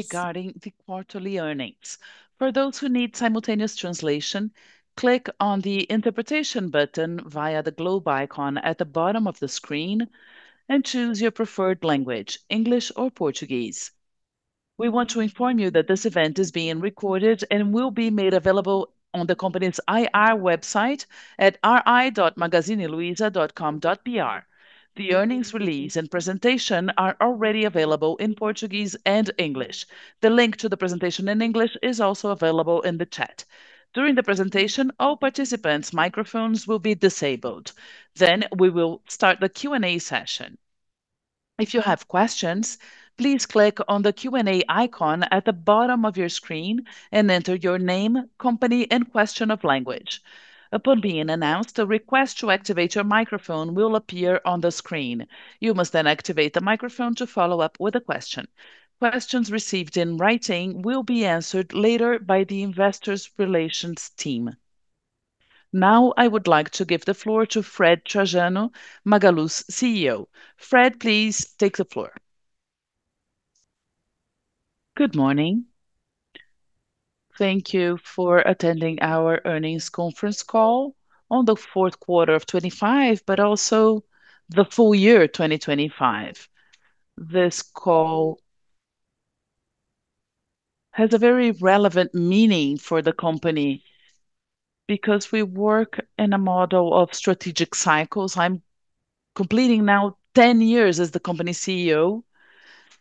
Regarding the quarterly earnings. For those who need simultaneous translation, click on the interpretation button via the globe icon at the bottom of the screen, and choose your preferred language, English or Portuguese. We want to inform you that this event is being recorded and will be made available on the company's IR website at ri.magazineluiza.com.br. The earnings release and presentation are already available in Portuguese and English. The link to the presentation in English is also available in the chat. During the presentation, all participants' microphones will be disabled. We will start the Q&A session. If you have questions, please click on the Q&A icon at the bottom of your screen and enter your name, company, and question of language. Upon being announced, a request to activate your microphone will appear on the screen. You must then activate the microphone to follow up with a question. Questions received in writing will be answered later by the investors' relations team. Now, I would like to give the floor to Fred Trajano, Magalu's CEO. Fred, please take the floor. Good morning. Thank you for attending our earnings conference call on the fourth quarter of 2025, but also the full year 2025. This call has a very relevant meaning for the company because we work in a model of strategic cycles. I'm completing now 10 years as the company CEO,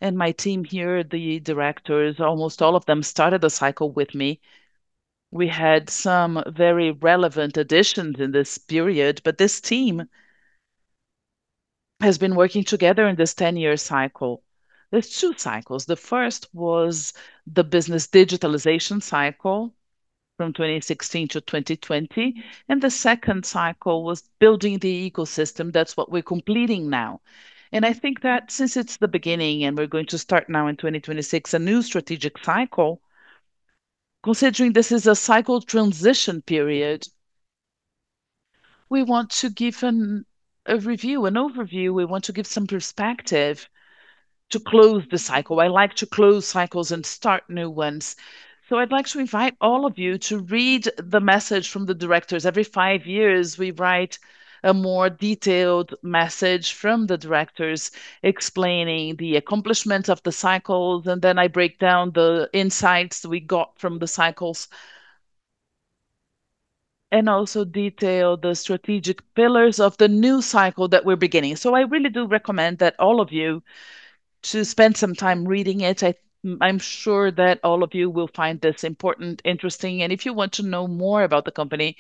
and my team here, the directors, almost all of them started the cycle with me. We had some very relevant additions in this period, but this team has been working together in this 10-year cycle. There's two cycles. The first was the business digitalization cycle from 2016 to 2020 and the second cycle was building the ecosystem. That's what we're completing now. I think that since it's the beginning and we're going to start now in 2026, a new strategic cycle, considering this is a cycle transition period, we want to give a review, an overview. We want to give some perspective to close the cycle. I like to close cycles and start new ones. I'd like to invite all of you to read the message from the directors. Every five years, we write a more detailed message from the directors explaining the accomplishments of the cycle, and then I break down the insights we got from the cycles and also detail the strategic pillars of the new cycle that we're beginning. I really do recommend that all of you to spend some time reading it. I'm sure that all of you will find this important, interesting. If you want to know more about the company,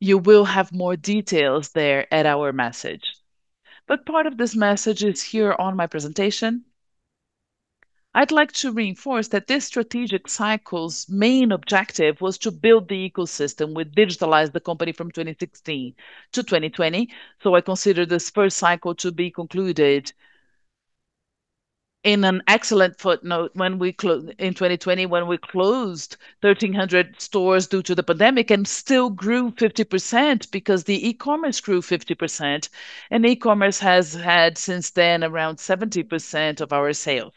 you will have more details there at our message. Part of this message is here on my presentation. I'd like to reinforce that this strategic cycle's main objective was to build the ecosystem. We digitalized the company from 2016 to 2020, so I consider this first cycle to be concluded in an excellent footnote in 2020, when we closed 1,300 stores due to the pandemic and still grew 50% because the e-commerce grew 50%. E-commerce has had since then around 70% of our sales.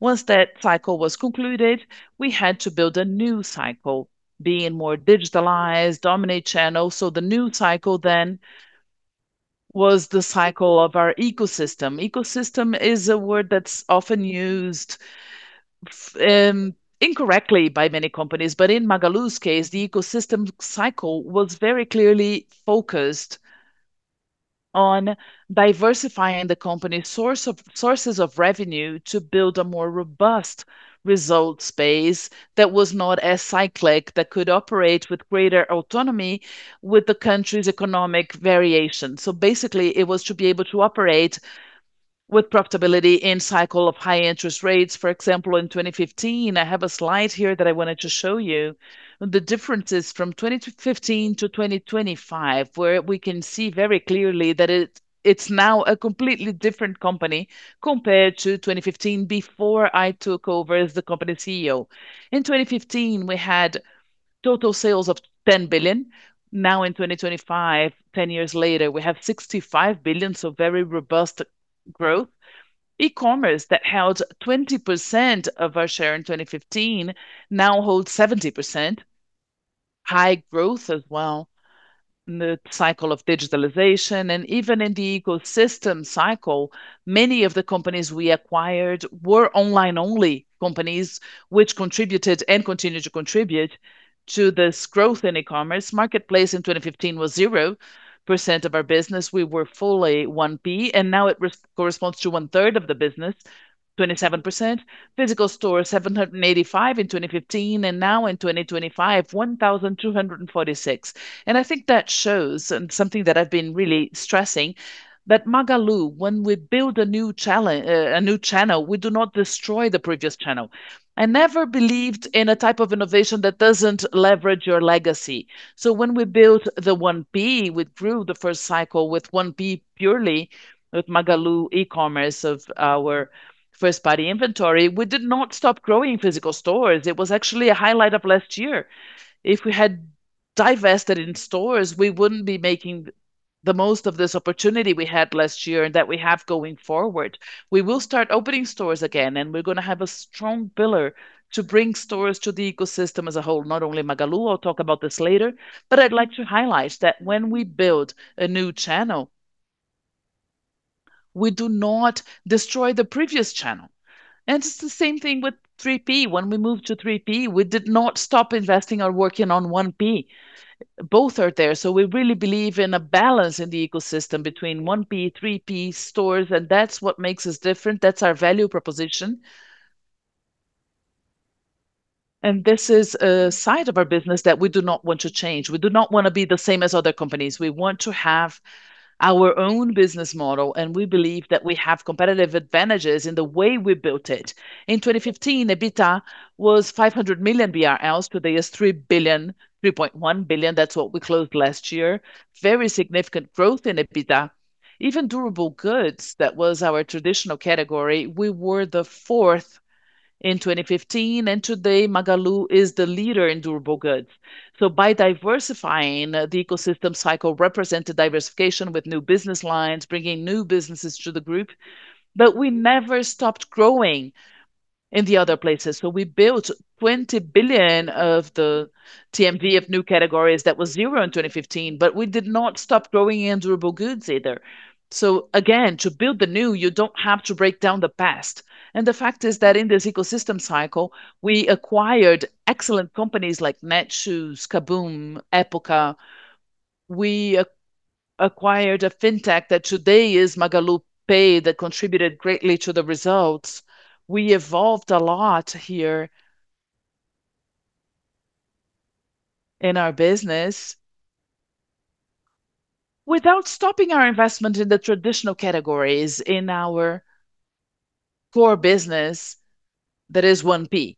Once that cycle was concluded, we had to build a new cycle, being more digitalized, dominate channels. The new cycle then was the cycle of our ecosystem. Ecosystem is a word that's often used, incorrectly by many companies. In Magalu's case, the ecosystem cycle was very clearly focused on diversifying the company's sources of revenue to build a more robust result space that was not as cyclic, that could operate with greater autonomy with the country's economic variation. Basically, it was to be able to operate with profitability in cycle of high interest rates. For example, in 2015, I have a slide here that I wanted to show you. The differences from 2015 to 2025, where we can see very clearly that it's now a completely different company compared to 2015 before I took over as the company CEO. In 2015, we had total sales of 10 billion. Now, in 2025, 10 years later, we have 65 billion, so very robust growth. E-commerce that held 20% of our share in 2015, now holds 70%. High growth as well in the cycle of digitalization. Even in the ecosystem cycle, many of the companies we acquired were online-only companies, which contributed and continue to contribute to this growth in e-commerce. Marketplace in 2015 was 0% of our business. We were fully 1P, and now it corresponds to 1/3 of the business, 27%. Physical stores, 785 in 2015, and now in 2025, 1,246. I think that shows, something that I've been really stressing, that Magalu, when we build a new channel, we do not destroy the previous channel. I never believed in a type of innovation that doesn't leverage your legacy. When we built the 1P, we grew the first cycle with 1P purely, with Magalu e-commerce of our first-party inventory. We did not stop growing physical stores. It was actually a highlight of last year. If we had divested in stores, we wouldn't be making the most of this opportunity we had last year and that we have going forward. We will start opening stores again, and we're gonna have a strong pillar to bring stores to the ecosystem as a whole, not only Magalu. I'll talk about this later. I'd like to highlight that when we build a new channel, we do not destroy the previous channel, and it's the same thing with 3P. When we moved to 3P, we did not stop investing or working on 1P. Both are there, we really believe in a balance in the ecosystem between 1P, 3P stores, and that's what makes us different. That's our value proposition. This is a side of our business that we do not want to change. We do not want to be the same as other companies. We want to have our own business model and we believe that we have competitive advantages in the way we built it. In 2015, EBITDA was 500 million BRL. Today is 3 billion, 3.1 billion. That's what we closed last year. Very significant growth in EBITDA. Even durable goods, that was our traditional category, we were the fourth in 2015, and today Magalu is the leader in durable goods. By diversifying the ecosystem cycle represented diversification with new business lines, bringing new businesses to the group. But we never stopped growing in the other places. We built 20 billion of the GMV of new categories that was zero in 2015, but we did not stop growing in durable goods either. Again, to build the new, you don't have to break down the past. The fact is that in this ecosystem cycle, we acquired excellent companies like Netshoes, KaBuM!, Época Cosméticos. We acquired a Fintech that today is MagaluPay that contributed greatly to the results. We evolved a lot here in our business without stopping our investment in the traditional categories in our core business, that is 1P.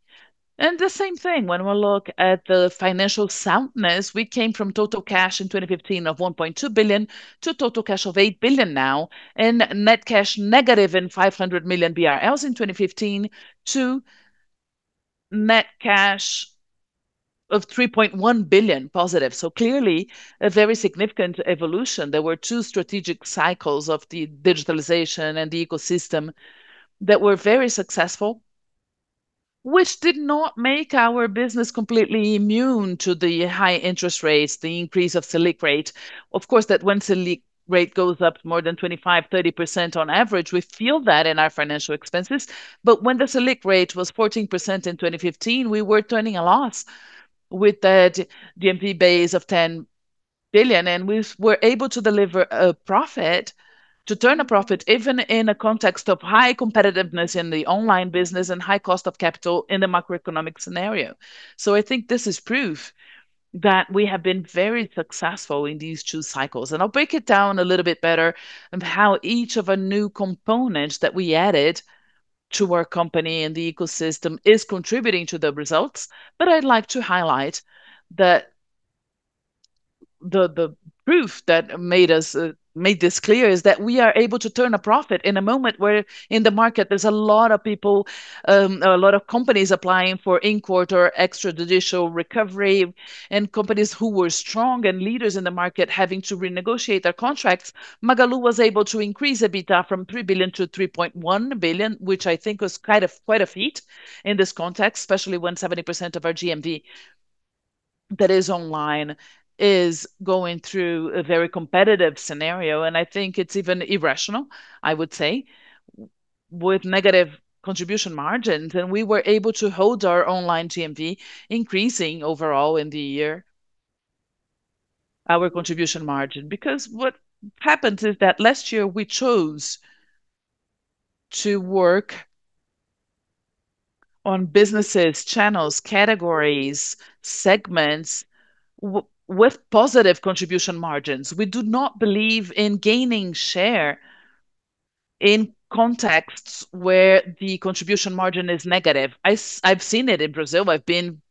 The same thing, when we look at the financial soundness, we came from total cash in 2015 of 1.2 billion to total cash of 8 billion now. Net cash negative in 500 million BRL in 2015 to net cash of 3.1 billion positive. Clearly a very significant evolution. There were two strategic cycles of the digitalization and the ecosystem that were very successful, which did not make our business completely immune to the high interest rates, the increase of Selic rate. Of course, when Selic rate goes up more than 25%-30% on average, we feel that in our financial expenses. When the Selic rate was 14% in 2015, we were turning a loss with that GMV base of 10 billion, and we were able to deliver a profit, to turn a profit even in a context of high competitiveness in the online business and high cost of capital in the macroeconomic scenario. I think this is proof that we have been very successful in these two cycles. I'll break it down a little bit better on how each of our new components that we added to our company and the ecosystem is contributing to the results. I'd like to highlight that the proof that made this clear is that we are able to turn a profit in a moment where in the market there's a lot of companies applying for in-court or extrajudicial recovery, and companies who were strong and leaders in the market having to renegotiate their contracts. Magalu was able to increase EBITDA from 3 billion to 3.1 billion, which I think was quite a feat in this context, especially when 70% of our GMV that is online is going through a very competitive scenario. I think it's even irrational, I would say, with negative contribution margins. We were able to hold our online GMV increasing overall in the year our contribution margin. Because what happened is that last year we chose to work on businesses, channels, categories, segments with positive contribution margins. We do not believe in gaining share in contexts where the contribution margin is negative. I've seen it in Brazil. I've been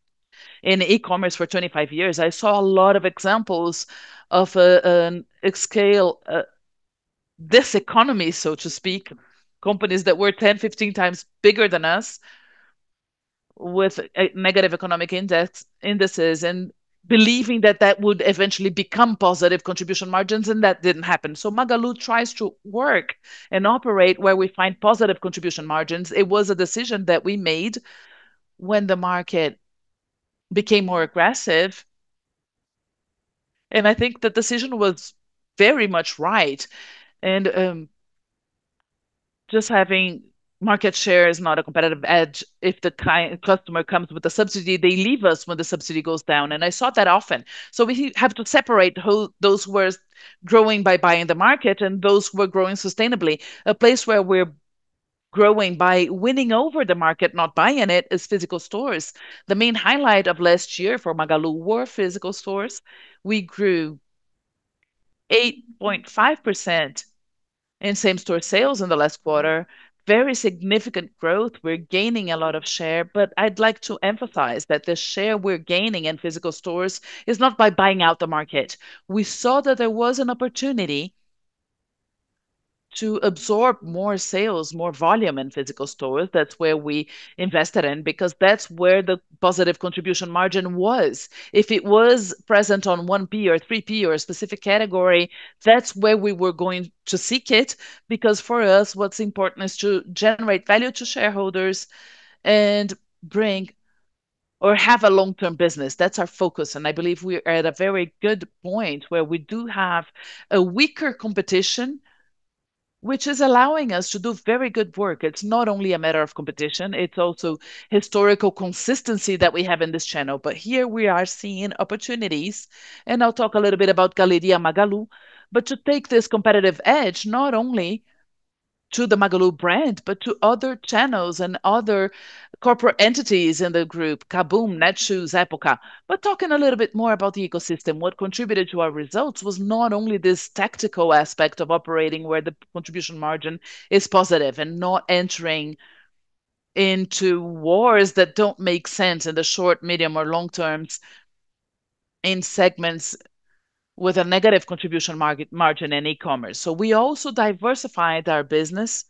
in e-commerce for 25 years. I saw a lot of examples of a scale economy, so to speak, companies that were 10x, 15x bigger than us with negative economic indices and believing that that would eventually become positive contribution margins, and that didn't happen. Magalu tries to work and operate where we find positive contribution margins. It was a decision that we made when the market became more aggressive, and I think the decision was very much right. Just having market share is not a competitive edge. If the client, customer comes with a subsidy, they leave us when the subsidy goes down, and I saw that often. We have to separate who those were growing by buying the market and those who are growing sustainably. A place where we're growing by winning over the market, not buying it, is physical stores. The main highlight of last year for Magalu were physical stores. We grew 8.5% in same-store sales in the last quarter. Very significant growth. We're gaining a lot of share, but I'd like to emphasize that the share we're gaining in physical stores is not by buying out the market. We saw that there was an opportunity to absorb more sales, more volume in physical stores, that's where we invested in because that's where the positive contribution margin was. If it was present on 1P or 3P or a specific category, that's where we were going to seek it, because for us, what's important is to generate value to shareholders and bring or have a long-term business. That's our focus, and I believe we are at a very good point where we do have a weaker competition, which is allowing us to do very good work. It's not only a matter of competition, it's also historical consistency that we have in this channel. Here we are seeing opportunities, and I'll talk a little bit about Galeria Magalu. To take this competitive edge, not only to the Magalu brand, but to other channels and other corporate entities in the group, KaBuM!, Netshoes, Época. Talking a little bit more about the ecosystem, what contributed to our results was not only this tactical aspect of operating where the contribution margin is positive and not entering into wars that don't make sense in the short, medium, or long terms in segments with a negative contribution margin in e-commerce. We also diversified our business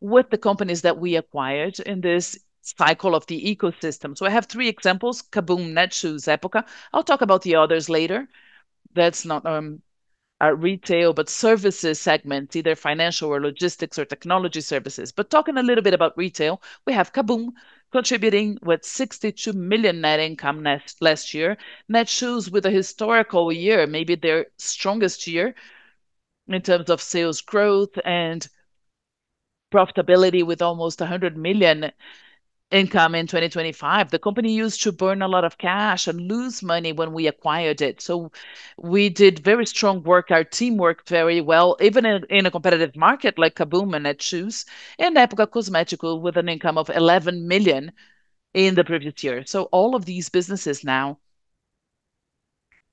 with the companies that we acquired in this cycle of the ecosystem. I have three examples, KaBuM!, Netshoes, Época. I'll talk about the others later. That's not our retail, but services segment, either financial or logistics or technology services. Talking a little bit about retail, we have KaBuM! contributing with 62 million net income last year. Netshoes with a historical year, maybe their strongest year in terms of sales growth and profitability with almost 100 million income in 2025. The company used to burn a lot of cash and lose money when we acquired it. We did very strong work. Our team worked very well, even in a competitive market like KaBuM! and Netshoes, and Época Cosméticos with an income of 11 million in the previous year. All of these businesses now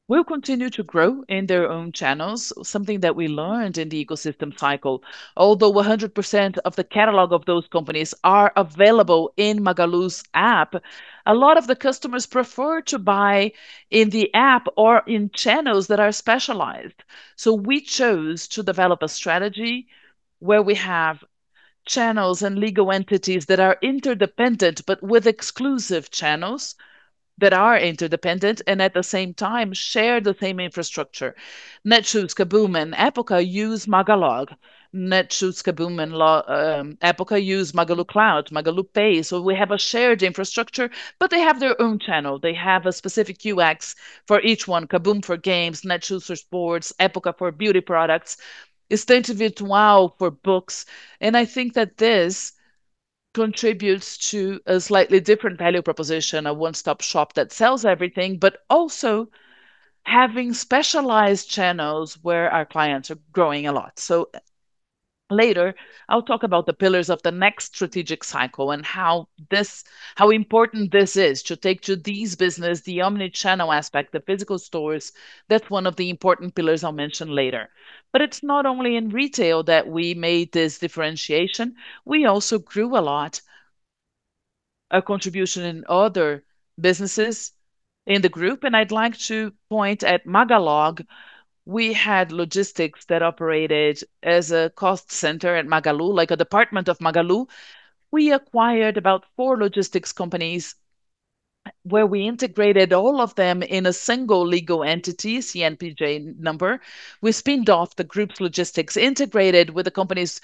will continue to grow in their own channels, something that we learned in the ecosystem cycle. Although 100% of the catalog of those companies are available in Magalu's app. A lot of the customers prefer to buy in the app or in channels that are specialized. We chose to develop a strategy where we have channels and legal entities that are interdependent, but with exclusive channels that are interdependent, and at the same time share the same infrastructure. Netshoes, KaBuM!, and Época use MagaluLog. Netshoes, KaBuM!, and Época use Magalu Cloud, MagaluPay. We have a shared infrastructure, but they have their own channel. They have a specific UX for each one, KaBuM! for games, Netshoes for sports, Época for beauty products, Estante Virtual for books. I think that this contributes to a slightly different value proposition, a one-stop shop that sells everything, but also having specialized channels where our clients are growing a lot. Later, I'll talk about the pillars of the next strategic cycle and how important this is to take to these business, the omni-channel aspect, the physical stores. That's one of the important pillars I'll mention later. It's not only in retail that we made this differentiation. We also grew a lot, our contribution in other businesses in the group. I'd like to point at MagaluLog. We had logistics that operated as a cost center at Magalu, like a department of Magalu. We acquired about four logistics companies, where we integrated all of them in a single legal entity, CNPJ number. We spun off the group's logistics, integrated with the companies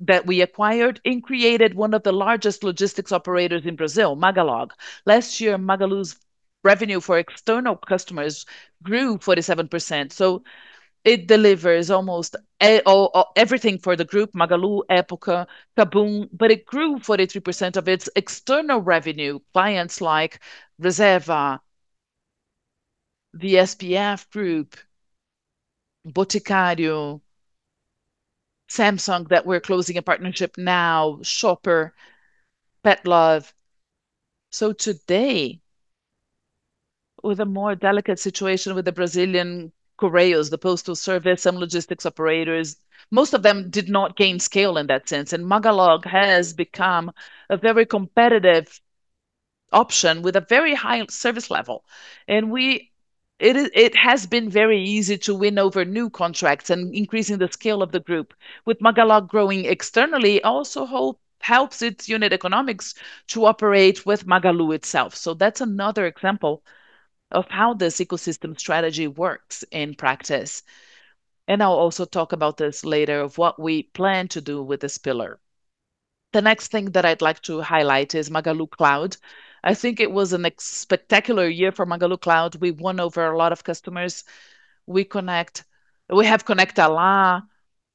that we acquired, and created one of the largest logistics operators in Brazil, MagaluLog. Last year, Magalu's revenue for external customers grew 47%. It delivers almost everything for the group, Magalu, Época, KaBuM!. It grew 43% of its external revenue. Clients like Reserva, Grupo SBF, O Boticário, Samsung, that we're closing a partnership now, Shopper, Petlove. Today, with a more delicate situation with the Brazilian Correios, the postal service and logistics operators, most of them did not gain scale in that sense. MagaluLog has become a very competitive option with a very high service level. It has been very easy to win over new contracts and increasing the scale of the group. With MagaluLog growing externally, also helps its unit economics to operate with Magalu itself. That's another example of how this ecosystem strategy works in practice. I'll also talk about this later of what we plan to do with this pillar. The next thing that I'd like to highlight is Magalu Cloud. I think it was a spectacular year for Magalu Cloud. We won over a lot of customers. We have Lu Conecta,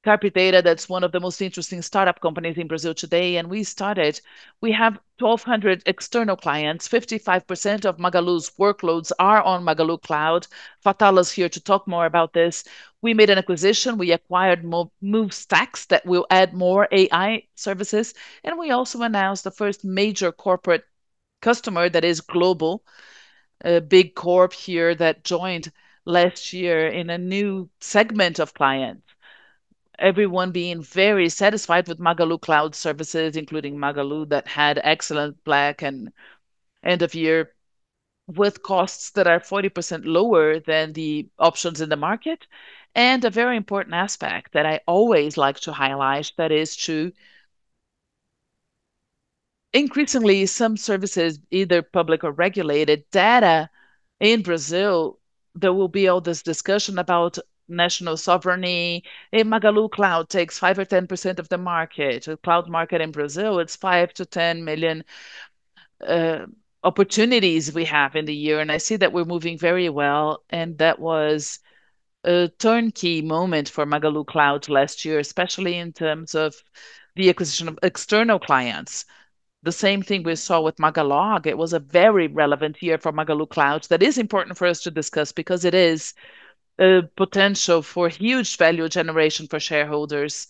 Carpe Data, that's one of the most interesting startup companies in Brazil today, and we started. We have 1,200 external clients. 55% of Magalu's workloads are on Magalu Cloud. Fatala is here to talk more about this. We made an acquisition. We acquired MoveStax that will add more AI services. We also announced the first major corporate customer that is global, a big corp here that joined last year in a new segment of clients. Everyone being very satisfied with Magalu Cloud services, including Magalu that had excellent black and end-of-year with costs that are 40% lower than the options in the market. A very important aspect that I always like to highlight, that is, increasingly some services, either public or regulated, data in Brazil, there will be all this discussion about national sovereignty, and Magalu Cloud takes 5% or 10% of the market. The cloud market in Brazil, it's five to 10 million opportunities we have in the year, and I see that we're moving very well. That was a turnkey moment for Magalu Cloud last year, especially in terms of the acquisition of external clients. The same thing we saw with MagaluLog. It was a very relevant year for Magalu Cloud. That is important for us to discuss because it is a potential for huge value generation for shareholders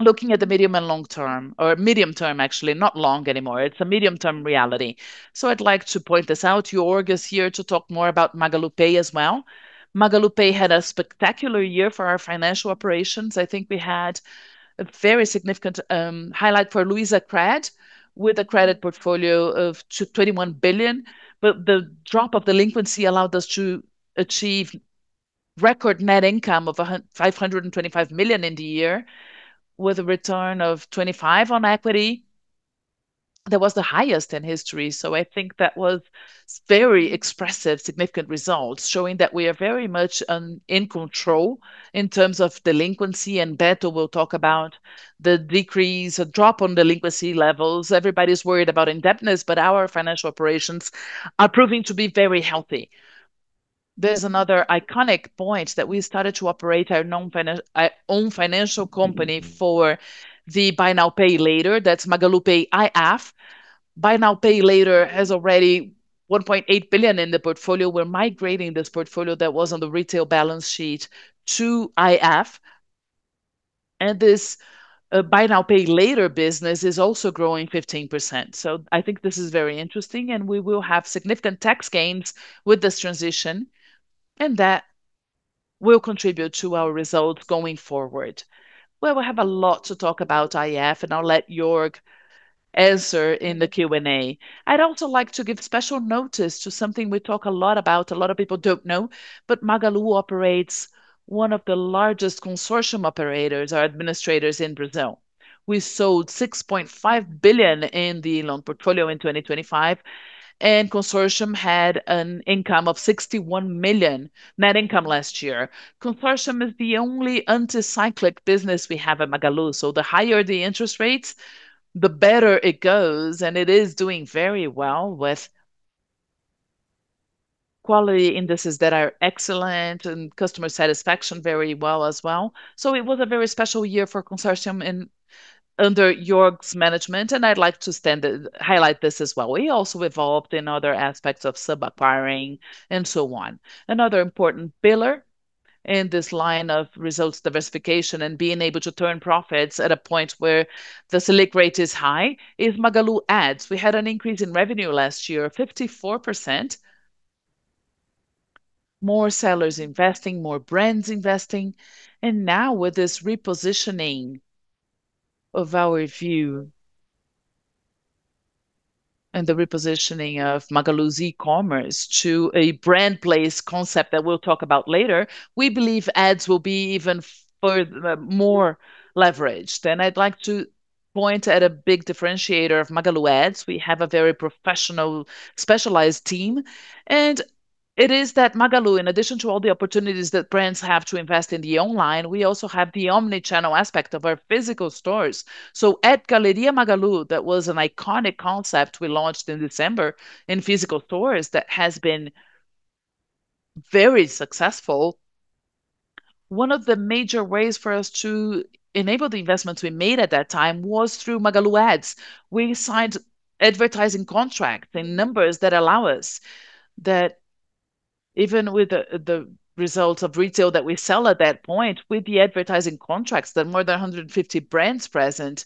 looking at the medium and long-term, or medium-term actually, not long anymore. It's a medium-term reality. I'd like to point this out. Jörg is here to talk more about MagaluPay as well. MagaluPay had a spectacular year for our financial operations. I think we had a very significant highlight for Luizacred, with a credit portfolio of 21 billion. But the drop of delinquency allowed us to achieve record net income of 525 million in the year, with a return of 25% on equity. That was the highest in history. I think that was very expressive, significant results, showing that we are very much in control in terms of delinquency and Beto will talk about the decrease, a drop on delinquency levels. Everybody's worried about indebtedness, but our financial operations are proving to be very healthy. There's another iconic point that we started to operate our own financial company for the buy now, pay later. That's MagaluPay IF. Buy now, pay later has already 1.8 billion in the portfolio. We're migrating this portfolio that was on the retail balance sheet to IF, and this buy now, pay later business is also growing 15%. I think this is very interesting, and we will have significant tax gains with this transition, and that will contribute to our results going forward. Well, we have a lot to talk about IF, and I'll let Jörg answer in the Q&A. I'd also like to give special notice to something we talk a lot about, a lot of people don't know, but Magalu operates one of the largest Consórcio operators or administrators in Brazil. We sold 6.5 billion in the loan portfolio in 2025, and Consórcio had an income of 61 million net income last year. Consórcio is the only anti-cyclical business we have at Magalu. The higher the interest rates, the better it goes, and it is doing very well with quality indices that are excellent and customer satisfaction very well as well. It was a very special year for Consórcio, under Jörg's management, and I'd like to highlight this as well. We also evolved in other aspects of sub-acquiring, and so on. Another important pillar in this line of results, diversification and being able to turn profits at a point where the Selic rate is high, is Magalu Ads. We had an increase in revenue last year, 54%. More sellers investing, more brands investing. Now with this repositioning of our view and the repositioning of Magalu's e-commerce to a brand place concept that we'll talk about later, we believe ads will be even more leveraged. I'd like to point at a big differentiator of Magalu Ads. We have a very professional, specialized team, and it is that Magalu, in addition to all the opportunities that brands have to invest in the online, we also have the omni-channel aspect of our physical stores. At Galeria Magalu, that was an iconic concept we launched in December in physical stores that has been very successful. One of the major ways for us to enable the investments we made at that time was through Magalu Ads. We signed advertising contracts in numbers that allow us, that even with the results of retail that we sell at that point, with the advertising contracts, the more than 150 brands present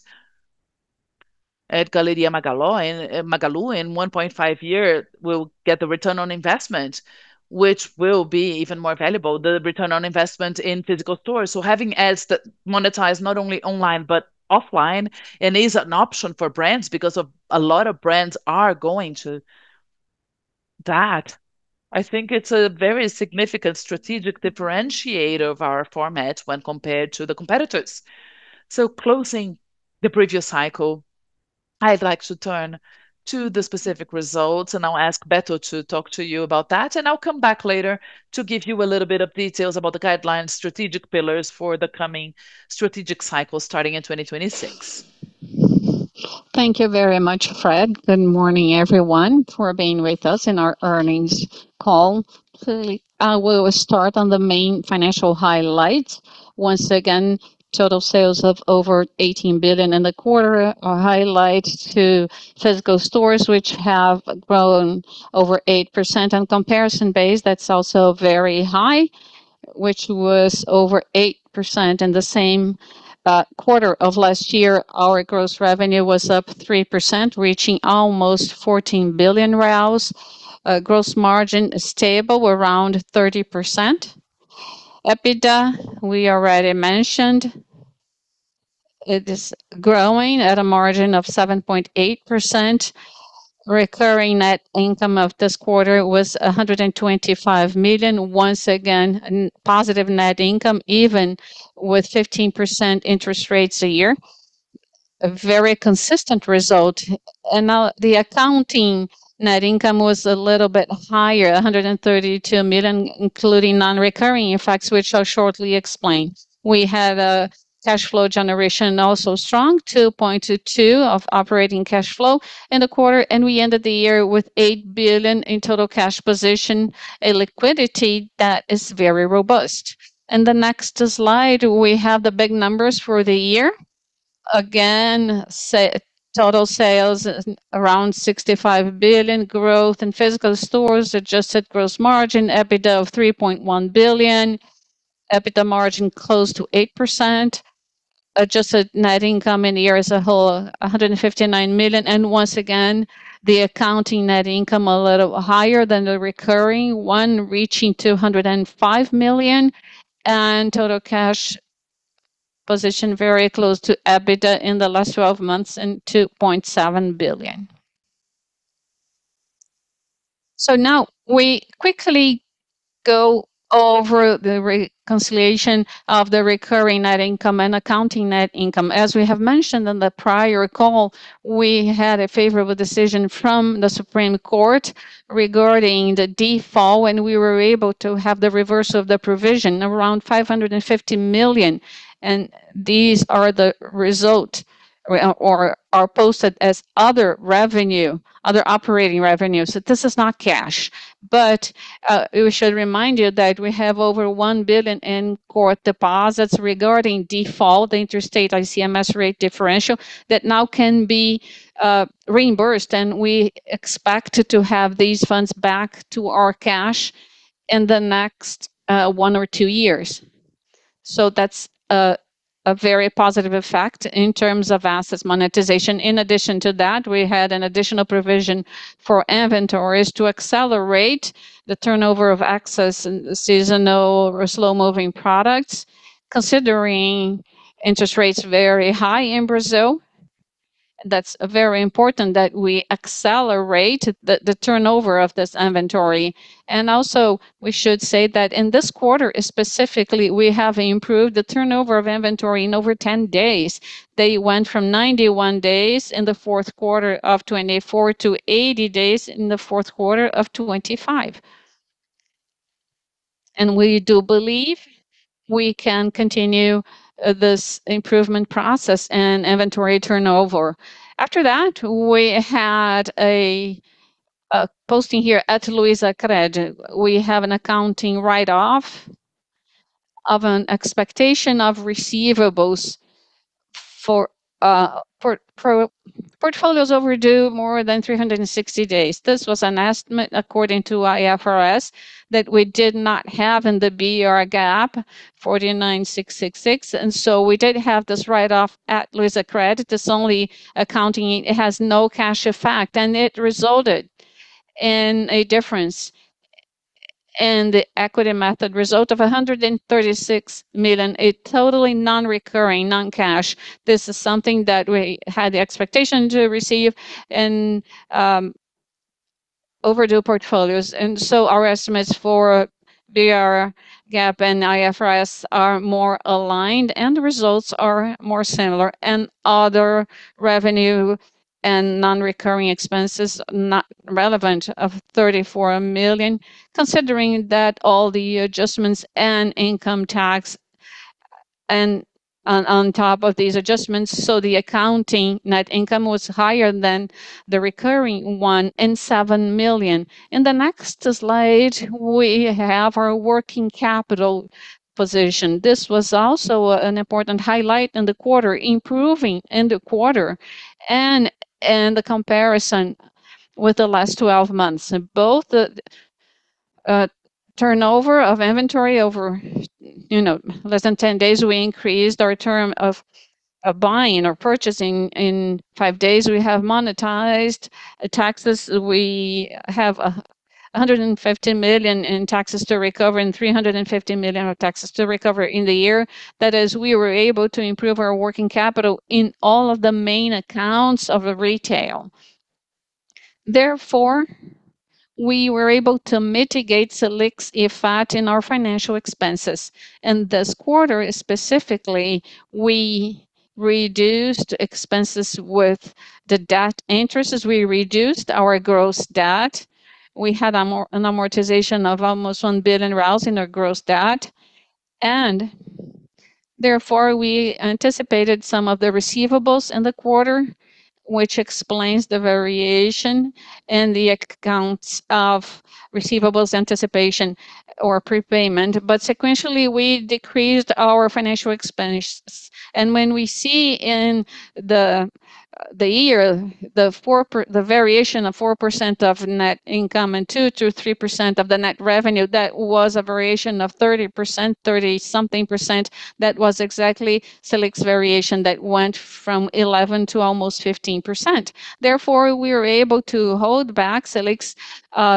at Galeria Magalu. Magalu in 1.5 year will get the return on investment, which will be even more valuable, the return on investment in physical stores. Having ads that monetize not only online but offline and is an option for brands because a lot of brands are going to that, I think it's a very significant strategic differentiator of our format when compared to the competitors. Closing the previous cycle, I'd like to turn to the specific results, and I'll ask Beto to talk to you about that. I'll come back later to give you a little bit of details about the guidelines, strategic pillars for the coming strategic cycle starting in 2026. Thank you very much, Fred. Good morning, everyone, for being with us in our earnings call. I will start on the main financial highlights. Once again, total sales of over 18 billion in the quarter. Our highlight to physical stores, which have grown over 8% on comparison base, that's also very high, which was over 8%. In the same quarter of last year, our gross revenue was up 3%, reaching almost BRL 14 billion. Gross margin is stable. We're around 30%. EBITDA, we already mentioned. It is growing at a margin of 7.8%. Recurring net income of this quarter was 125 million. Once again, positive net income even with 15% interest rates a year. A very consistent result. Now the accounting net income was a little bit higher, 132 million, including non-recurring effects, which I'll shortly explain. We had a cash flow generation also strong, 2.22 billion of operating cash flow in the quarter, and we ended the year with 8 billion in total cash position, a liquidity that is very robust. In the next slide, we have the big numbers for the year. Again, total sales around 65 billion growth in physical stores, adjusted gross margin, EBITDA of 3.1 billion, EBITDA margin close to 8%. Adjusted net income in the year as a whole, 159 million. Once again, the accounting net income a little higher than the recurring one, reaching 205 million. Total cash position very close to EBITDA in the last 12 months in 2.7 billion. Now we quickly go over the reconciliation of the recurring net income and accounting net income. As we have mentioned on the prior call, we had a favorable decision from the Supreme Court regarding the default, and we were able to have the reverse of the provision around 550 million. These are posted as other revenue, other operating revenues. This is not cash. We should remind you that we have over 1 billion in court deposits regarding default, the interstate ICMS rate differential that now can be reimbursed. We expect to have these funds back to our cash in the next one or two years. That's a very positive effect in terms of assets monetization. In addition to that, we had an additional provision for inventories to accelerate the turnover of excess and seasonal or slow-moving products. Considering interest rates very high in Brazil, that's very important that we accelerate the turnover of this inventory. Also we should say that in this quarter specifically, we have improved the turnover of inventory in over 10 days. They went from 91 days in the fourth quarter of 2024 to 80 days in the fourth quarter of 2025. We do believe we can continue this improvement process and inventory turnover. After that, we had a posting here at Luizacred. We have an accounting write-off of an expectation of receivables for portfolios overdue more than 360 days. This was an estimate according to IFRS that we did not have in the BR GAAP 4966. We did have this write off at Luizacred. This only accounting, it has no cash effect, and it resulted in a difference in the equity method result of 136 million, a totally non-recurring non-cash. This is something that we had the expectation to receive in overdue portfolios. Our estimates for BR GAAP and IFRS are more aligned and the results are more similar. Other revenue and non-recurring expenses not relevant of 34 million, considering that all the adjustments and income tax and on top of these adjustments, so the accounting net income was higher than the recurring one in 7 million. In the next slide, we have our working capital position. This was also an important highlight in the quarter, improving in the quarter and in the comparison with the last 12 months. Both the turnover of inventory over, you know, less than 10 days, we increased our term of buying or purchasing in five days. We have monetized taxes. We have 150 million in taxes to recover and 350 million of taxes to recover in the year. That is, we were able to improve our working capital in all of the main accounts of retail. Therefore, we were able to mitigate Selic's effect in our financial expenses. In this quarter specifically, we reduced expenses with the debt interest as we reduced our gross debt. We had an amortization of almost 1 billion in our gross debt, and therefore we anticipated some of the receivables in the quarter, which explains the variation in the accounts of receivables anticipation or prepayment. Sequentially, we decreased our financial expenses. When we see in the year, the variation of 4% of net income and 2%-3% of the net revenue, that was a variation of 30%, 30-something percent. That was exactly Selic's variation that went from 11 to almost 15%. Therefore, we were able to hold back Selic's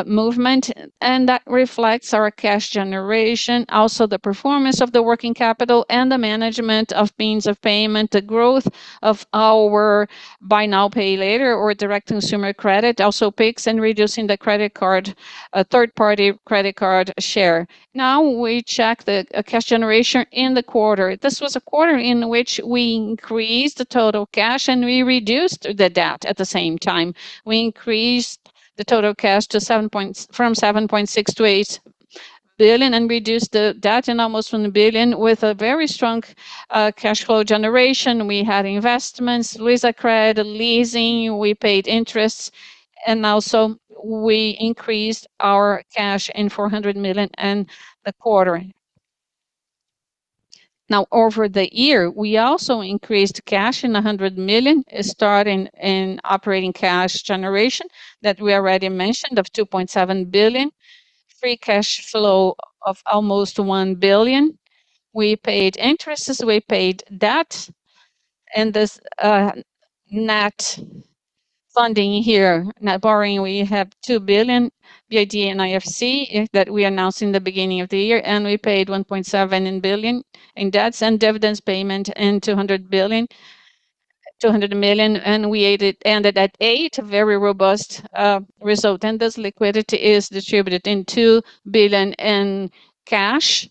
movement, and that reflects our cash generation, also the performance of the working capital and the management of means of payment, the growth of our buy now, pay later, or direct consumer credit also peaks in reducing the credit card, third-party credit card share. Now, we check the cash generation in the quarter. This was a quarter in which we increased the total cash, and we reduced the debt at the same time. We increased the total cash from 7.6 billion to 8 billion and reduced the debt in almost 1 billion with a very strong cash flow generation. We had investments, Luizacred, leasing, we paid interests, and also we increased our cash in 400 million in the quarter. Now, over the year, we also increased cash in 100 million, starting in operating cash generation that we already mentioned of 2.7 billion. Free cash flow of almost 1 billion. We paid interests, we paid debt, and this net funding here, net borrowing, we have 2 billion, IDB and IFC, that we announced in the beginning of the year, and we paid 1.7 billion in debts and dividends payment and 200 million, and we ended at eight, a very robust result. This liquidity is distributed in 2 billion in cash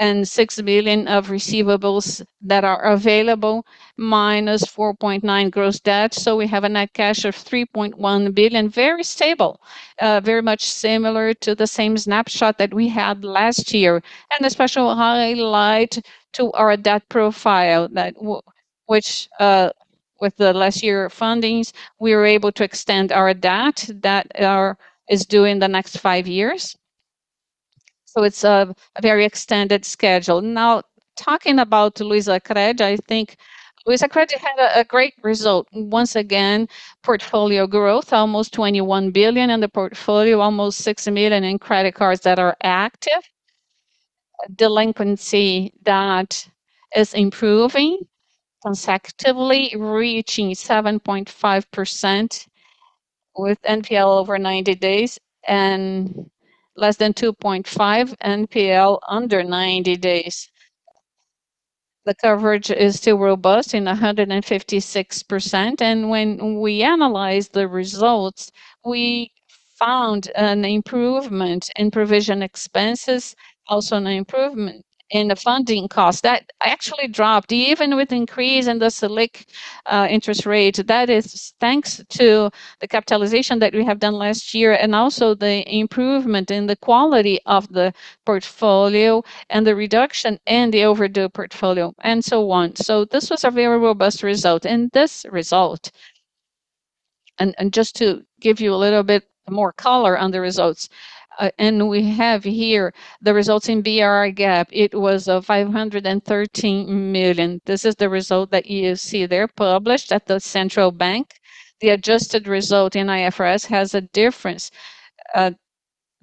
and 6 billion of receivables that are available, minus 4.9 billion gross debt. We have a net cash of 3.1 billion. Very stable, very much similar to the same snapshot that we had last year. A special highlight to our debt profile that which, with the last year fundings, we were able to extend our debt that is due in the next five years. It's a very extended schedule. Now, talking about Luizacred, I think Luizacred had a great result. Once again, portfolio growth, almost 21 billion in the portfolio, almost 6 million in credit cards that are active. Delinquency that is improving consecutively, reaching 7.5% with NPL over 90 days and less than 2.5 NPL under 90 days. The coverage is still robust at 156%, and when we analyzed the results, we found an improvement in provision expenses, also an improvement in the funding cost. That actually dropped even with increase in the Selic interest rate. That is thanks to the capitalization that we have done last year and also the improvement in the quality of the portfolio and the reduction in the overdue portfolio, and so on. This was a very robust result. Just to give you a little bit more color on the results, and we have here the results in BR GAAP. It was 513 million. This is the result that you see there published at the central bank. The adjusted result in IFRS has a difference,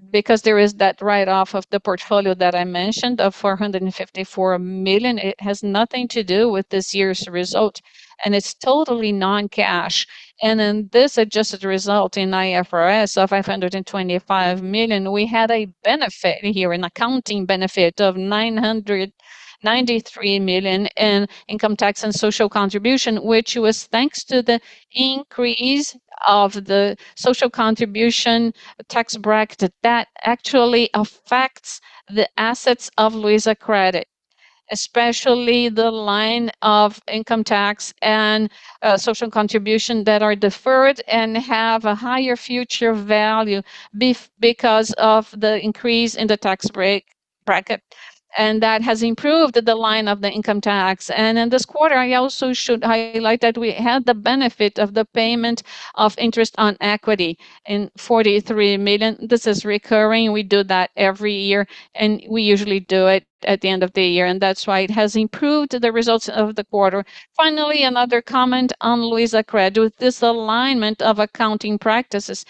because there is that write-off of the portfolio that I mentioned of 454 million. It has nothing to do with this year's result, and it's totally non-cash. In this adjusted result in IFRS of 525 million, we had a benefit here, an accounting benefit of 993 million in income tax and social contribution, which was thanks to the increase of the social contribution tax bracket that actually affects the assets of Luizacred, especially the line of income tax and social contribution that are deferred and have a higher future value because of the increase in the tax bracket. That has improved the line of the income tax. In this quarter, I also should highlight that we had the benefit of the payment of interest on equity in 43 million. This is recurring. We do that every year, and we usually do it at the end of the year, and that's why it has improved the results of the quarter. Finally, another comment on Luizacred. With this alignment of accounting practices,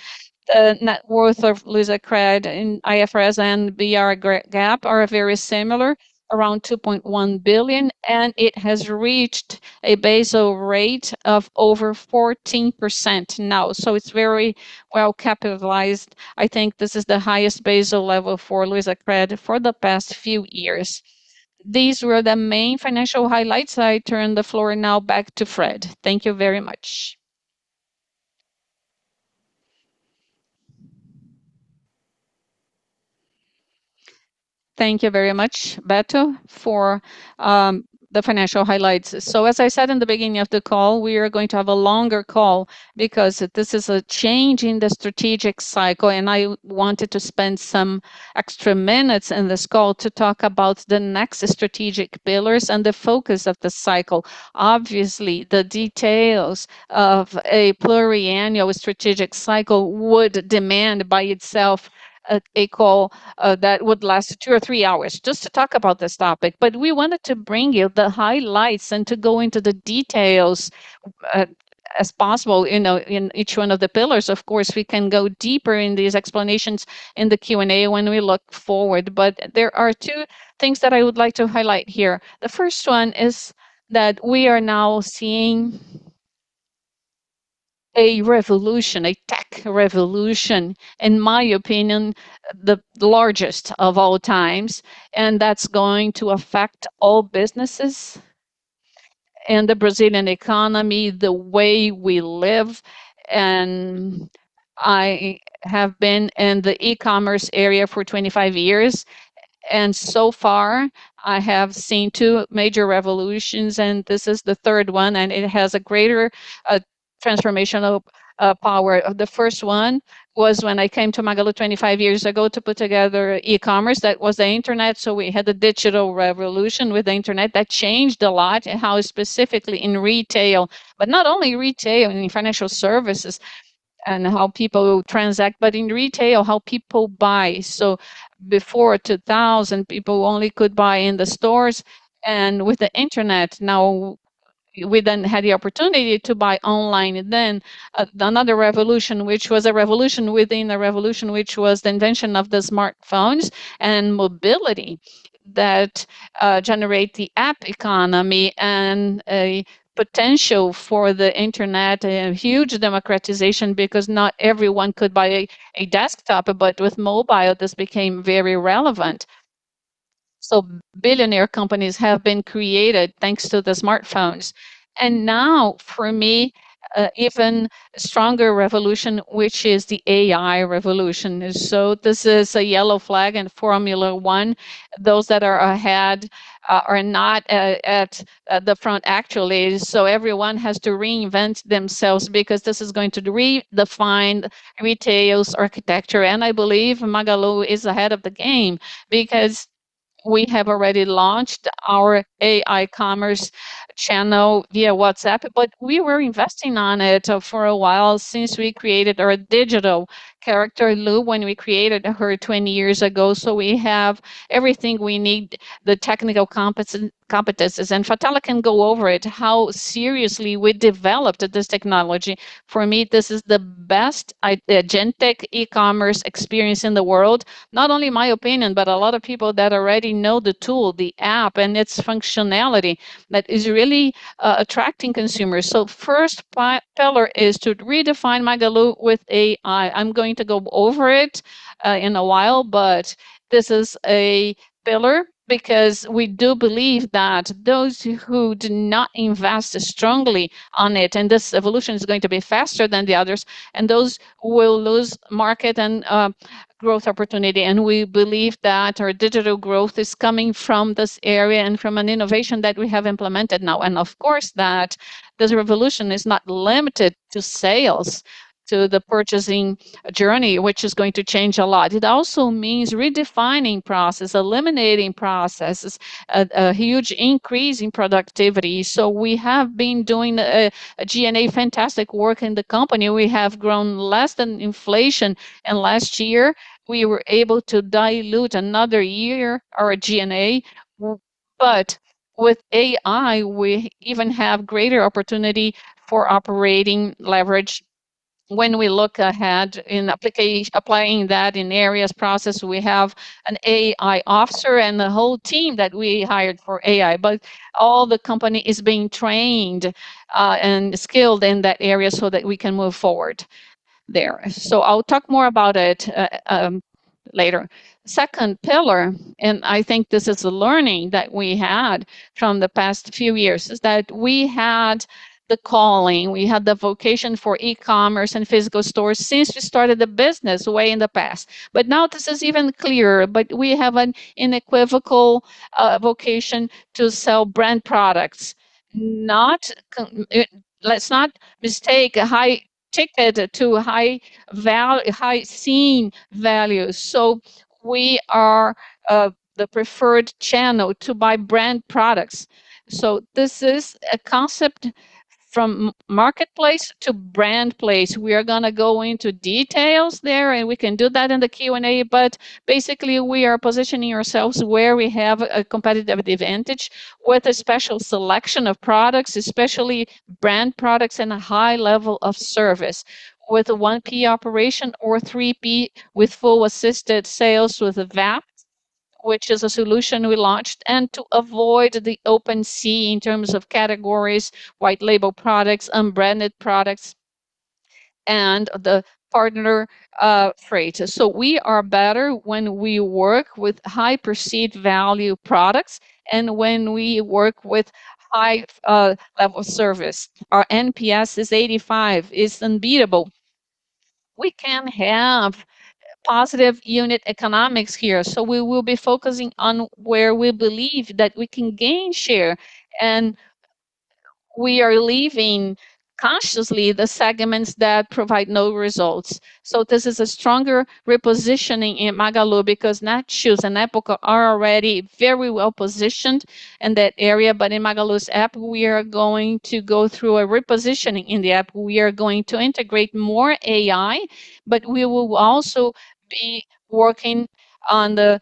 the net worth of Luizacred in IFRS and BR GAAP are very similar, around 2.1 billion, and it has reached a base rate of over 14% now. So it's very well capitalized. I think this is the highest base level for Luizacred for the past few years. These were the main financial highlights. I turn the floor now back to Fred. Thank you very much. Thank you very much, Beto, for the financial highlights. As I said in the beginning of the call, we are going to have a longer call because this is a change in the strategic cycle, and I wanted to spend some extra minutes in this call to talk about the next strategic pillars and the focus of the cycle. Obviously, the details of a pluriannual strategic cycle would demand by itself a call that would last two or three hours just to talk about this topic. We wanted to bring you the highlights and to go into the details as possible, you know, in each one of the pillars. Of course, we can go deeper in these explanations in the Q&A when we look forward. There are two things that I would like to highlight here. The first one is that we are now seeing a revolution, a tech revolution, in my opinion, the largest of all times, and that's going to affect all businesses and the Brazilian economy, the way we live, and I have been in the e-commerce area for 25 years, and so far I have seen two major revolutions and this is the third one, and it has a greater transformational power. The first one was when I came to Magalu 25 years ago to put together e-commerce. That was the internet, so we had the digital revolution with the internet. That changed a lot in how specifically in retail, but not only retail, I mean, financial services and how people transact, but in retail, how people buy. Before 2000, people only could buy in the stores, and with the internet, now we then had the opportunity to buy online. Another revolution, which was a revolution within a revolution, which was the invention of the smartphones and mobility that generate the app economy and a potential for the internet. A huge democratization because not everyone could buy a desktop, but with mobile, this became very relevant. Billionaire companies have been created thanks to the smartphones. Now for me, an even stronger revolution, which is the AI revolution. This is a yellow flag in Formula One. Those that are ahead are not at the front actually, so everyone has to reinvent themselves because this is going to redefine retail's architecture. I believe Magalu is ahead of the game because we have already launched our AI commerce channel via WhatsApp, but we were investing on it for a while since we created our digital character, Lu, when we created her 20 years ago. We have everything we need, the technical competence, competencies, and Fatala can go over it, how seriously we developed this technology. For me, this is the best GenTech e-commerce experience in the world. Not only in my opinion, but a lot of people that already know the tool, the app, and its functionality that is really attracting consumers. First pillar is to redefine Magalu with AI. I'm going to go over it in a while, but this is a pillar because we do believe that those who do not invest as strongly on it, and this evolution is going to be faster than the others, and those will lose market and growth opportunity. We believe that our digital growth is coming from this area and from an innovation that we have implemented now. Of course that this revolution is not limited to sales, to the purchasing journey, which is going to change a lot. It also means redefining process, eliminating processes, a huge increase in productivity. We have been doing a G&A fantastic work in the company. We have grown less than inflation, and last year we were able to dilute another year our G&A. With AI, we even have greater opportunity for operating leverage when we look ahead in applying that in areas process. We have an AI officer and a whole team that we hired for AI, but all the company is being trained and skilled in that area so that we can move forward there. I'll talk more about it later. Second pillar, I think this is a learning that we had from the past few years, is that we had the calling, we had the vocation for e-commerce and physical stores since we started the business way back in the past. Now this is even clearer, but we have an unequivocal vocation to sell brand products. Let's not mistake high-ticket to high-value. We are the preferred channel to buy brand products. This is a concept from marketplace to brand place. We are gonna go into details there, and we can do that in the Q&A, but basically, we are positioning ourselves where we have a competitive advantage with a special selection of products, especially brand products and a high level of service with a 1P operation or 3P with full assisted sales with AVAP, which is a solution we launched, and to avoid the open sea in terms of categories, white label products, unbranded products, and the partner freight. We are better when we work with high perceived value products and when we work with high level service. Our NPS is 85. It's unbeatable. We can have positive unit economics here, so we will be focusing on where we believe that we can gain share, and we are leaving consciously the segments that provide no results. This is a stronger repositioning in Magalu because Netshoes and Época are already very well-positioned in that area. In Magalu's app, we are going to go through a repositioning in the app. We are going to integrate more AI, but we will also be working on the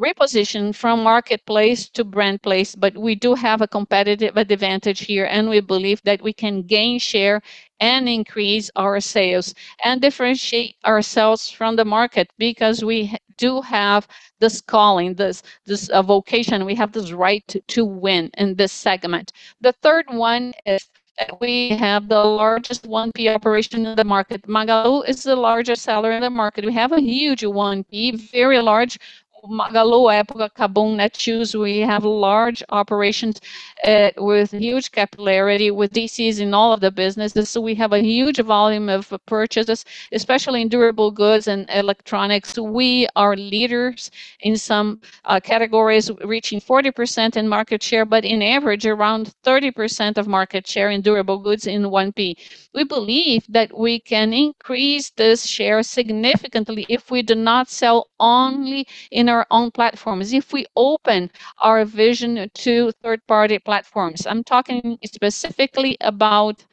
reposition from marketplace to brand place. We do have a competitive advantage here, and we believe that we can gain share and increase our sales and differentiate ourselves from the market because we do have this calling, this vocation. We have this right to win in this segment. The third one is that we have the largest 1P operation in the market. Magalu is the largest seller in the market. We have a huge 1P, very large Magalu App, KaBuM!, Netshoes. We have large operations with huge capillarity with DCs in all of the businesses, so we have a huge volume of purchases, especially in durable goods and electronics. We are leaders in some categories reaching 40% in market share, but on average, around 30% of market share in durable goods in 1P. We believe that we can increase this share significantly if we do not sell only in our own platforms, if we open our vision to third-party platforms. I'm talking specifically about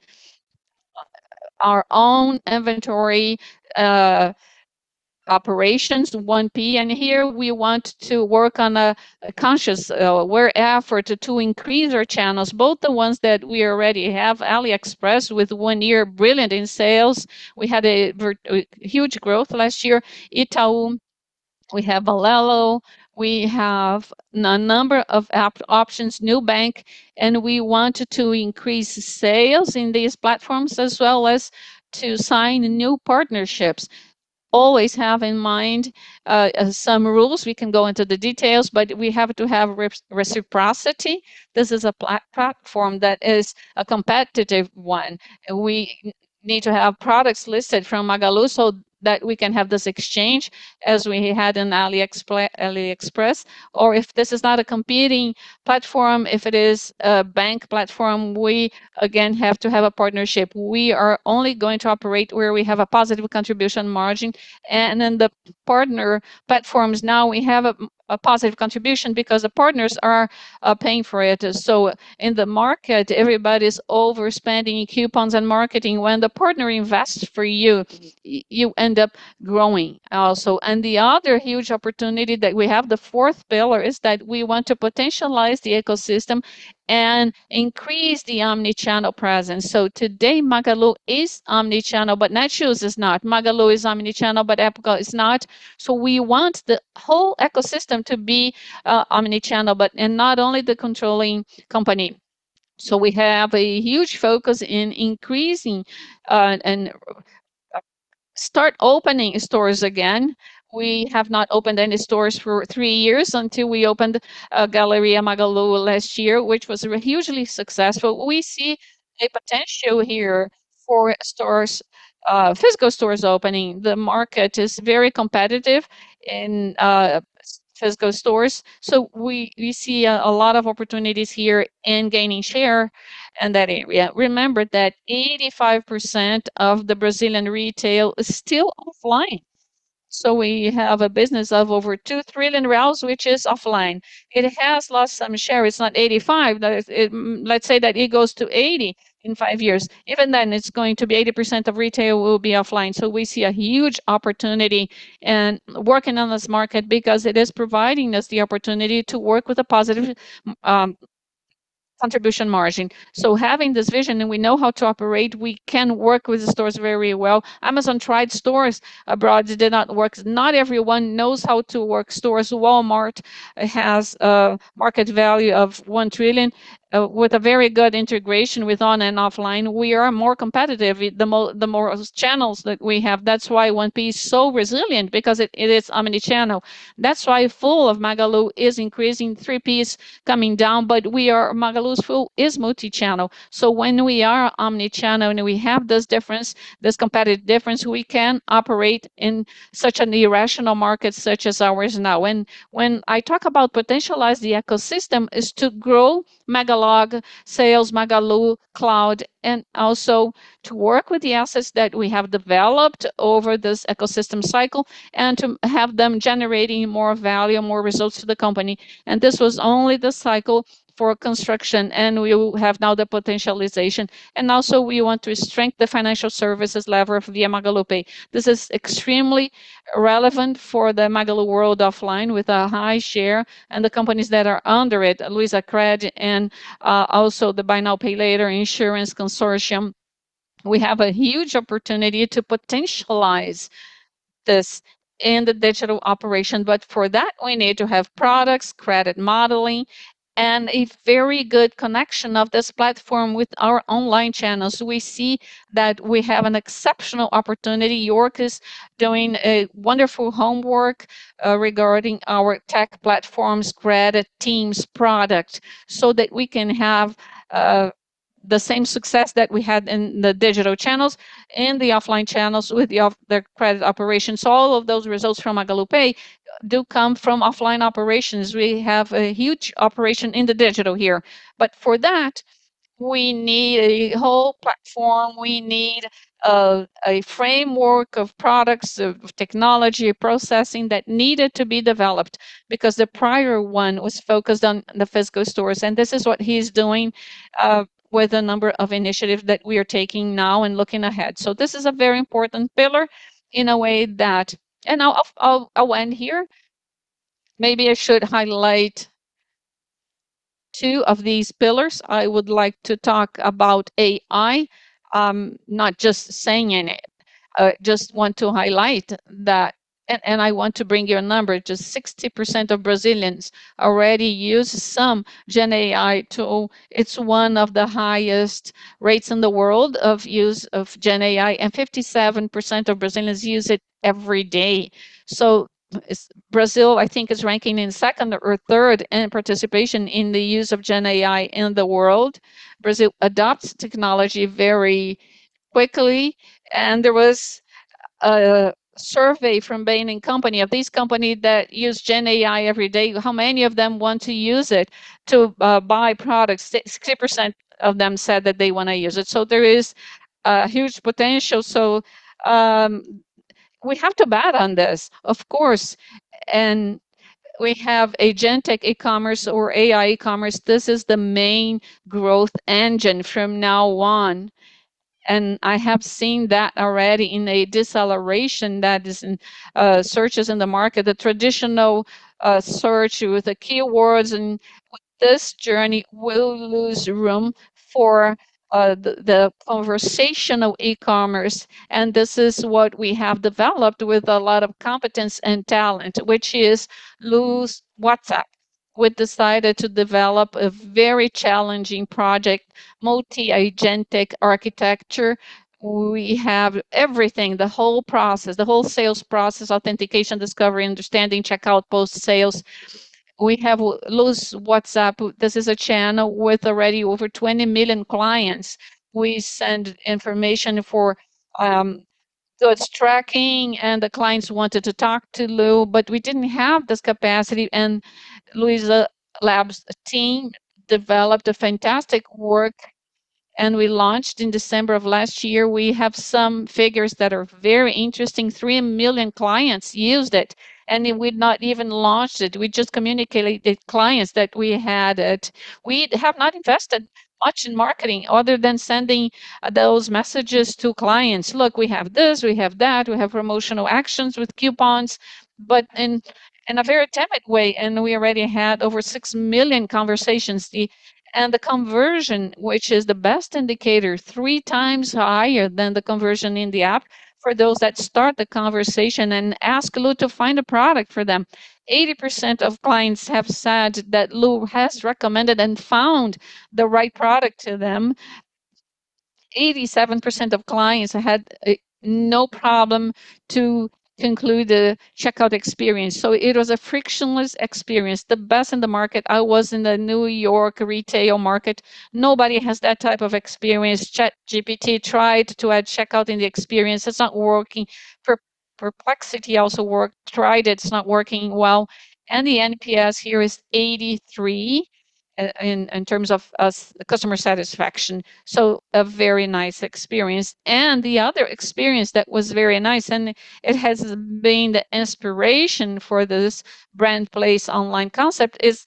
our own inventory operations, 1P. Here we want to work on a conscious aware effort to increase our channels, both the ones that we already have, AliExpress, with a brilliant year in sales. We had a huge growth last year. Itaú, we have Alelo, we have a number of app options, Nubank, and we want to increase sales in these platforms as well as to sign new partnerships. Always have in mind some rules. We can go into the details, but we have to have reciprocity. This is a platform that is a competitive one. We need to have products listed from Magalu so that we can have this exchange as we had in AliExpress. Or if this is not a competing platform, if it is a bank platform, we again have to have a partnership. We are only going to operate where we have a positive contribution margin. In the partner platforms now we have a positive contribution because the partners are paying for it. In the market, everybody's overspending in coupons and marketing. When the partner invests for you end up growing also. The other huge opportunity that we have, the fourth pillar, is that we want to potentialize the ecosystem and increase the omni-channel presence. Today, Magalu is omni-channel, but Netshoes is not. Magalu is omni-channel, but Época is not. We want the whole ecosystem to be omni-channel, and not only the controlling company. We have a huge focus in increasing and start opening stores again. We have not opened any stores for three years until we opened a Galeria Magalu last year, which was hugely successful. We see a potential here for stores, physical stores opening. The market is very competitive in physical stores. We see a lot of opportunities here in gaining share in that area. Remember that 85% of the Brazilian retail is still offline.. We have a business of over 2 trillion, which is offline. It has lost some share. It's not 85%. Let's say that it goes to 80% in five years. Even then, it's going to be 80% of retail will be offline. We see a huge opportunity and working on this market because it is providing us the opportunity to work with a positive contribution margin. Having this vision, and we know how to operate, we can work with the stores very well. Amazon tried stores abroad. It did not work. Not everyone knows how to work stores. Walmart has a market value of $1 trillion with a very good integration with on and offline. We are more competitive with the more channels that we have. That's why 1P is so resilient, because it is omni-channel. That's why fulfillment of Magalu is increasing, 3Ps coming down. Magalu's fulfillment is multi-channel. When we are omni-channel, and we have this difference, this competitive difference, we can operate in such an irrational market such as ours now. When I talk about potentialize the ecosystem is to grow MagaluLog sales, Magalu Cloud, and also to work with the assets that we have developed over this ecosystem cycle and to have them generating more value, more results to the company. This was only the cycle for construction, and we have now the potentialization. We want to strengthen the financial services lever via MagaluPay. This is extremely relevant for the Magalu world offline with a high share and the companies that are under it, Luizacred and also the buy now, pay later insurance Consórcio Magalu. We have a huge opportunity to potentialize this in the digital operation. For that, we need to have products, credit modeling, and a very good connection of this platform with our online channels. We see that we have an exceptional opportunity. Jörg is doing a wonderful homework regarding our tech platforms, credit teams product, so that we can have the same success that we had in the digital channels and the offline channels with the credit operations. All of those results from MagaluPay do come from offline operations. We have a huge operation in the digital here. For that, we need a whole platform. We need a framework of products, of technology, processing that needed to be developed because the prior one was focused on the physical stores. This is what he's doing, with a number of initiatives that we are taking now and looking ahead. This is a very important pillar. I'll end here. Maybe I should highlight two of these pillars. I would like to talk about AI, not just saying it. Just want to highlight that. I want to bring you a number. Just 60% of Brazilians already use some Gen AI tool. It's one of the highest rates in the world of use of Gen AI. 57% of Brazilians use it every day. It's Brazil, I think, is ranking in second or third in participation in the use of Gen AI in the world. Brazil adopts technology very quickly. There was a survey from Bain & Company. Of these companies that use GenAI every day, how many of them want to use it to buy products? 60% of them said that they wanna use it. There is a huge potential. We have to bet on this, of course, and we have agentic e-commerce or AI e-commerce. This is the main growth engine from now on, and I have seen that already in a deceleration that is in searches in the market. The traditional search with the keywords and this journey will lose room for the conversational e-commerce, and this is what we have developed with a lot of competence and talent, which is Lu's WhatsApp. We decided to develop a very challenging project, multi-agentic architecture. We have everything, the whole process, the whole sales process, authentication, discovery, understanding, checkout, post-sales. We have Lu's WhatsApp. This is a channel with already over 20 million clients we send information for. It's tracking, and the clients wanted to talk to Lu, but we didn't have this capacity and LuizaLabs team developed a fantastic work, and we launched in December of last year. We have some figures that are very interesting. 3 million clients used it, and we'd not even launched it. We just communicated with clients that we had it. We have not invested much in marketing other than sending those messages to clients. "Look, we have this. We have that. We have promotional actions with coupons," but in a very atomic way, and we already had over 6 million conversations. The conversion, which is the best indicator, 3x higher than the conversion in the app for those that start the conversation and ask Lu to find a product for them. 80% of clients have said that Lu has recommended and found the right product to them. 87% of clients had no problem to conclude the checkout experience, so it was a frictionless experience, the best in the market. I was in the New York retail market. Nobody has that type of experience. ChatGPT tried to add checkout in the experience. It's not working. Perplexity also tried it. It's not working well. The NPS here is 83 in terms of customer satisfaction, so a very nice experience. The other experience that was very nice, and it has been the inspiration for this brand place online concept, is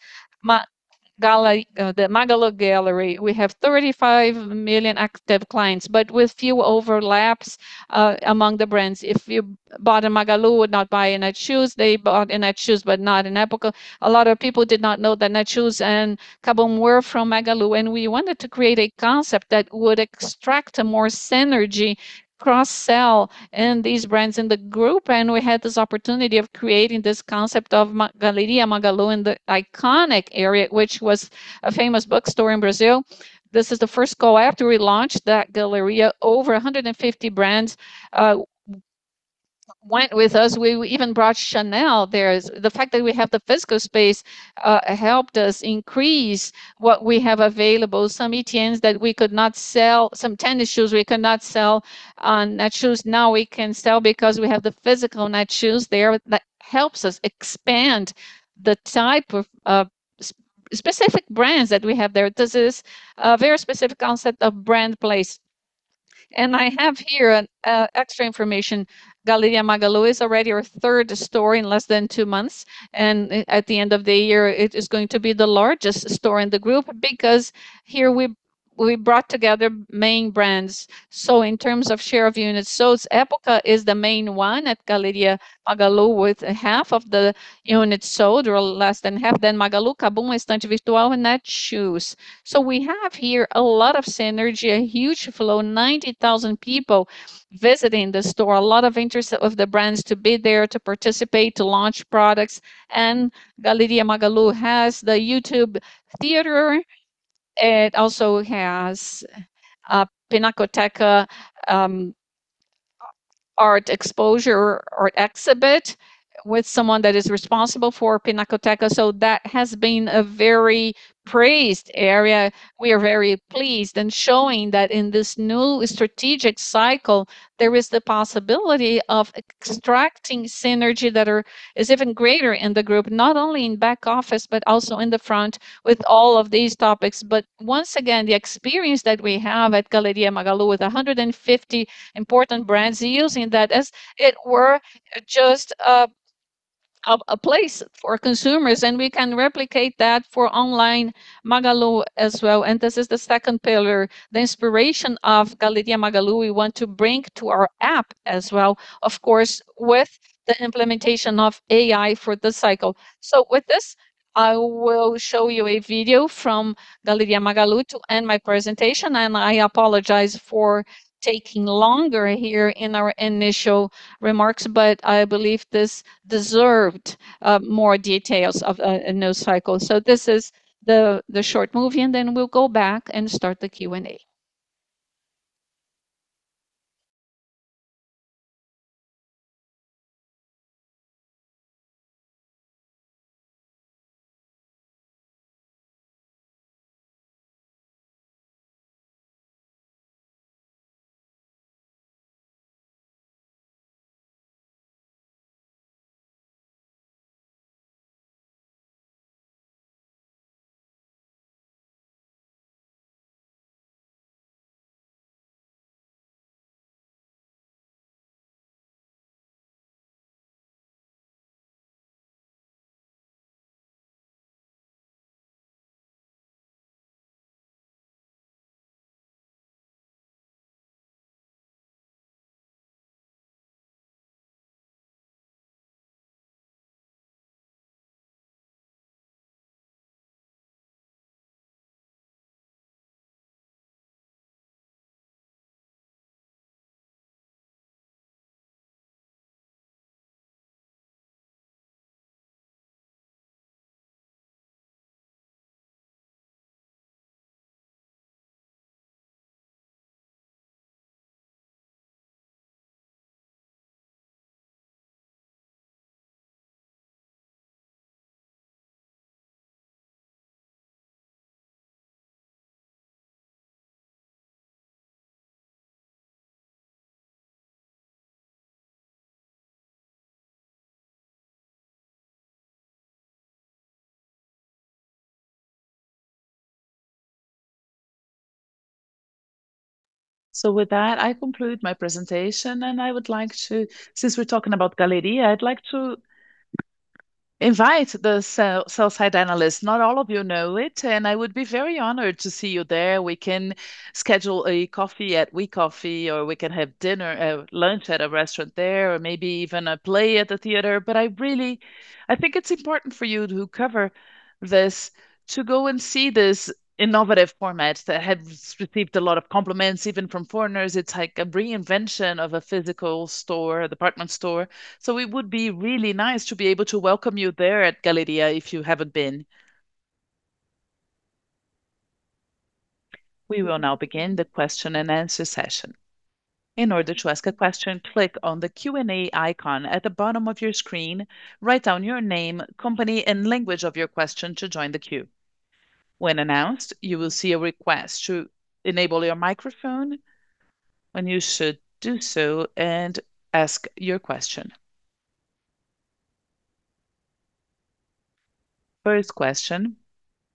the Galeria Magalu. We have 35 million active clients, but with few overlaps among the brands. If you bought in Magalu, would not buy in Netshoes. They bought in Netshoes, but not in Época. A lot of people did not know that Netshoes and KaBuM! were from Magalu, and we wanted to create a concept that would extract a more synergy cross-sell in these brands in the group, and we had this opportunity of creating this concept of Galeria Magalu in the iconic area, which was a famous bookstore in Brazil. This is the first go. After we launched that galeria, over 150 brands went with us. We even brought Chanel there. The fact that we have the physical space helped us increase what we have available. Some items that we could not sell, some tennis shoes we could not sell on Netshoes, now we can sell because we have the physical Netshoes there. That helps us expand the type of specific brands that we have there. This is a very specific concept of brand place. I have here an extra information. Galeria Magalu is already our third store in less than two months, and at the end of the year, it is going to be the largest store in the group because here we brought together main brands. In terms of share of units sold, Época is the main one at Galeria Magalu with half of the units sold, or less than half. Then Magalu, KaBuM!, Estante Virtual, and Netshoes. We have here a lot of synergy, a huge flow, 90,000 people visiting the store. A lot of interest of the brands to be there, to participate, to launch products. Galeria Magalu has the YouTube theater. It also has a Pinacoteca, art exposure or exhibit with someone that is responsible for Pinacoteca. That has been a very praised area. We are very pleased and showing that in this new strategic cycle, there is the possibility of extracting synergy that is even greater in the group, not only in back office, but also in the front with all of these topics. Once again, the experience that we have at Galeria Magalu with 150 important brands using that as it were just a place for consumers, and we can replicate that for online Magalu as well. This is the second pillar, the inspiration of Galeria Magalu we want to bring to our app as well, of course, with the implementation of AI for this cycle. With this, I will show you a video from Galeria Magalu to end my presentation, and I apologize for taking longer here in our initial remarks, but I believe this deserved more details of a new cycle. This is the short movie, and then we'll go back and start the Q&A. With that, I conclude my presentation, and I would like to. Since we're talking about Galeria, I'd like to invite the sell-side analysts. Not all of you know it, and I would be very honored to see you there. We can schedule a coffee at We Coffee or we can have dinner, lunch at a restaurant there or maybe even a play at the theater. I really think it's important for you to cover this to go and see this innovative format that has received a lot of compliments even from foreigners. It's like a reinvention of a physical store, department store. It would be really nice to be able to welcome you there at Galeria if you haven't been. We will now begin the question-and-answer session. In order to ask a question, click on the Q&A icon at the bottom of your screen, write down your name, company, and language of your question to join the queue. When announced, you will see a request to enable your microphone, and you should do so and ask your question. First question,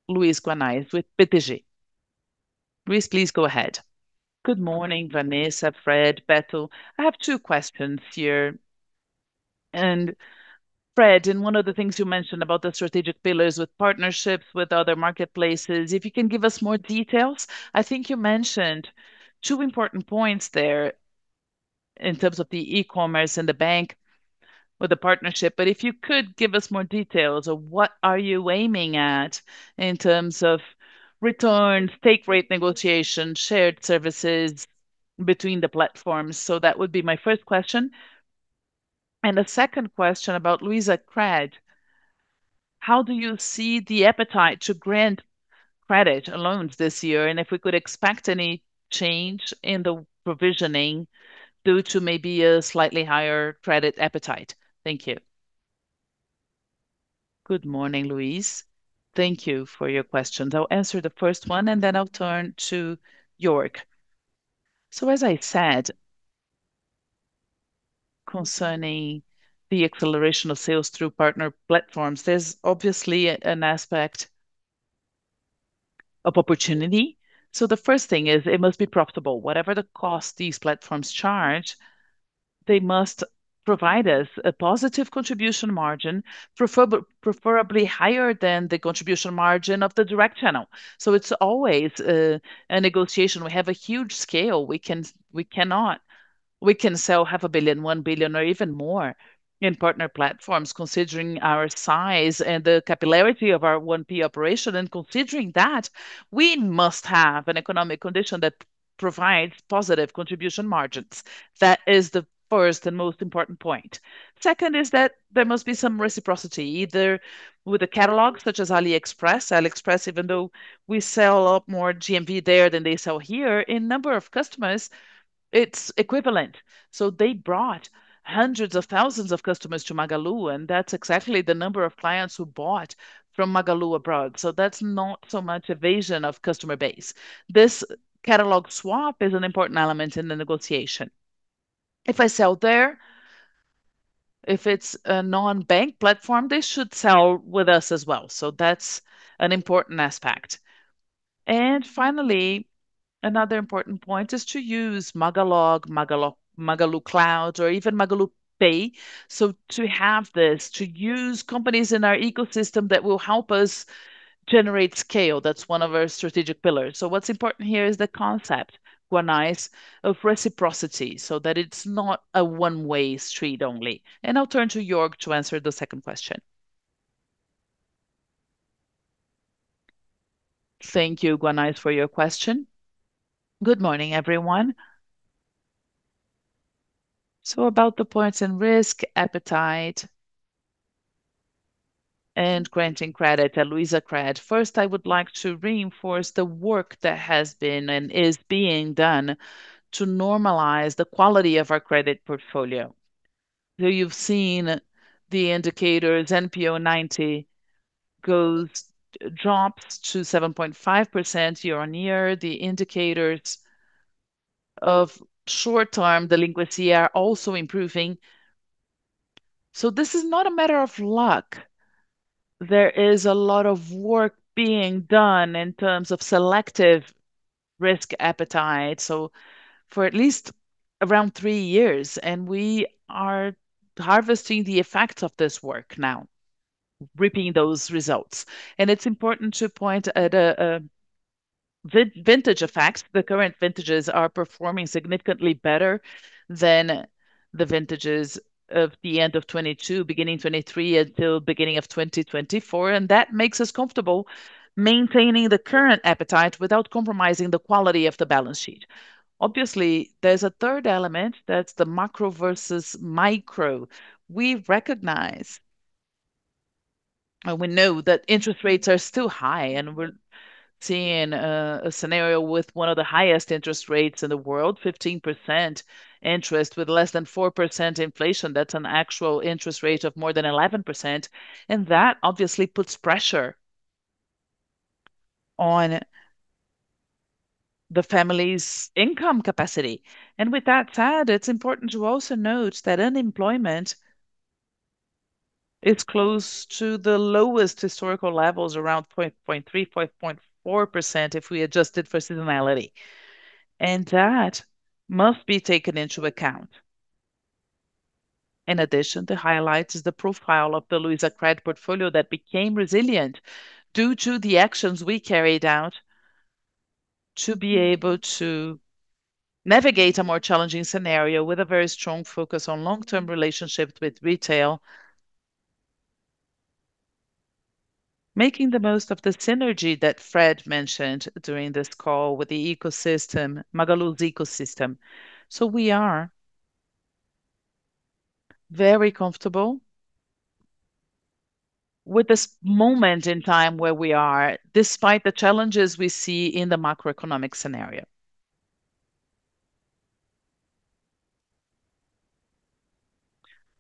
Luiz Guanais with BTG. Luiz, please go ahead. Good morning, Vanessa, Fred, Beto. I have two questions here. Fred, in one of the things you mentioned about the strategic pillars with partnerships with other marketplaces, if you can give us more details. I think you mentioned two important points there in terms of the e-commerce and the bank with the partnership. If you could give us more details of what are you aiming at in terms of returns, take rate negotiation, shared services between the platforms. That would be my first question. The second question about Luizacred. How do you see the appetite to grant credit and loans this year? If we could expect any change in the provisioning due to maybe a slightly higher credit appetite. Thank you. Good morning, Luiz. Thank you for your questions. I'll answer the first one, and then I'll turn to Jörg. As I said, concerning the acceleration of sales through partner platforms, there's obviously an aspect of opportunity. The first thing is it must be profitable. Whatever the cost these platforms charge, they must provide us a positive contribution margin, preferably higher than the contribution margin of the direct channel. It's always a negotiation. We have a huge scale. We can sell 500 million, 1 billion or even more in partner platforms considering our size and the capillarity of our 1P operation. Considering that, we must have an economic condition that provides positive contribution margins. That is the first and most important point. Second is that there must be some reciprocity either with a catalog such as AliExpress. AliExpress, even though we sell a lot more GMV there than they sell here, in number of customers, it's equivalent. So they brought hundreds of thousands of customers to Magalu, and that's exactly the number of clients who bought from Magalu abroad. So that's not so much evasion of customer base. This catalog swap is an important element in the negotiation. If I sell there, if it's a non-bank platform, they should sell with us as well, so that's an important aspect. Finally, another important point is to use MagaluLog, Magalu Cloud or even MagaluPay. To have this, to use companies in our ecosystem that will help us generate scale, that's one of our strategic pillars. What's important here is the concept, Guanais, of reciprocity, so that it's not a one-way street only. I'll turn to Jörg to answer the second question. Thank you, Guanais, for your question. Good morning, everyone. About the points in risk appetite and granting credit at Luizacred. First, I would like to reinforce the work that has been and is being done to normalize the quality of our credit portfolio. You've seen the indicators NPL 90 drops to 7.5% year-over-year. The indicators of short-term delinquency are also improving. This is not a matter of luck. There is a lot of work being done in terms of selective risk appetite, so for at least around three years, and we are harvesting the effects of this work now, reaping those results. It's important to point at vintage effects. The current vintages are performing significantly better than the vintages of the end of 2022, beginning of 2023, until beginning of 2024, and that makes us comfortable maintaining the current appetite without compromising the quality of the balance sheet. Obviously, there's a third element, that's the macro versus micro. We recognize and we know that interest rates are still high, and we're seeing a scenario with one of the highest interest rates in the world, 15% interest with less than 4% inflation. That's an actual interest rate of more than 11%, and that obviously puts pressure on the family's income capacity. With that said, it's important to also note that unemployment is close to the lowest historical levels, around 0.3%-0.4% if we adjust it for seasonality, and that must be taken into account. In addition, the highlight is the profile of the Luizacred portfolio that became resilient due to the actions we carried out to be able to navigate a more challenging scenario with a very strong focus on long-term relationships with retail, making the most of the synergy that Fred mentioned during this call with the ecosystem, Magalu's ecosystem. We are very comfortable with this moment in time where we are, despite the challenges we see in the macroeconomic scenario.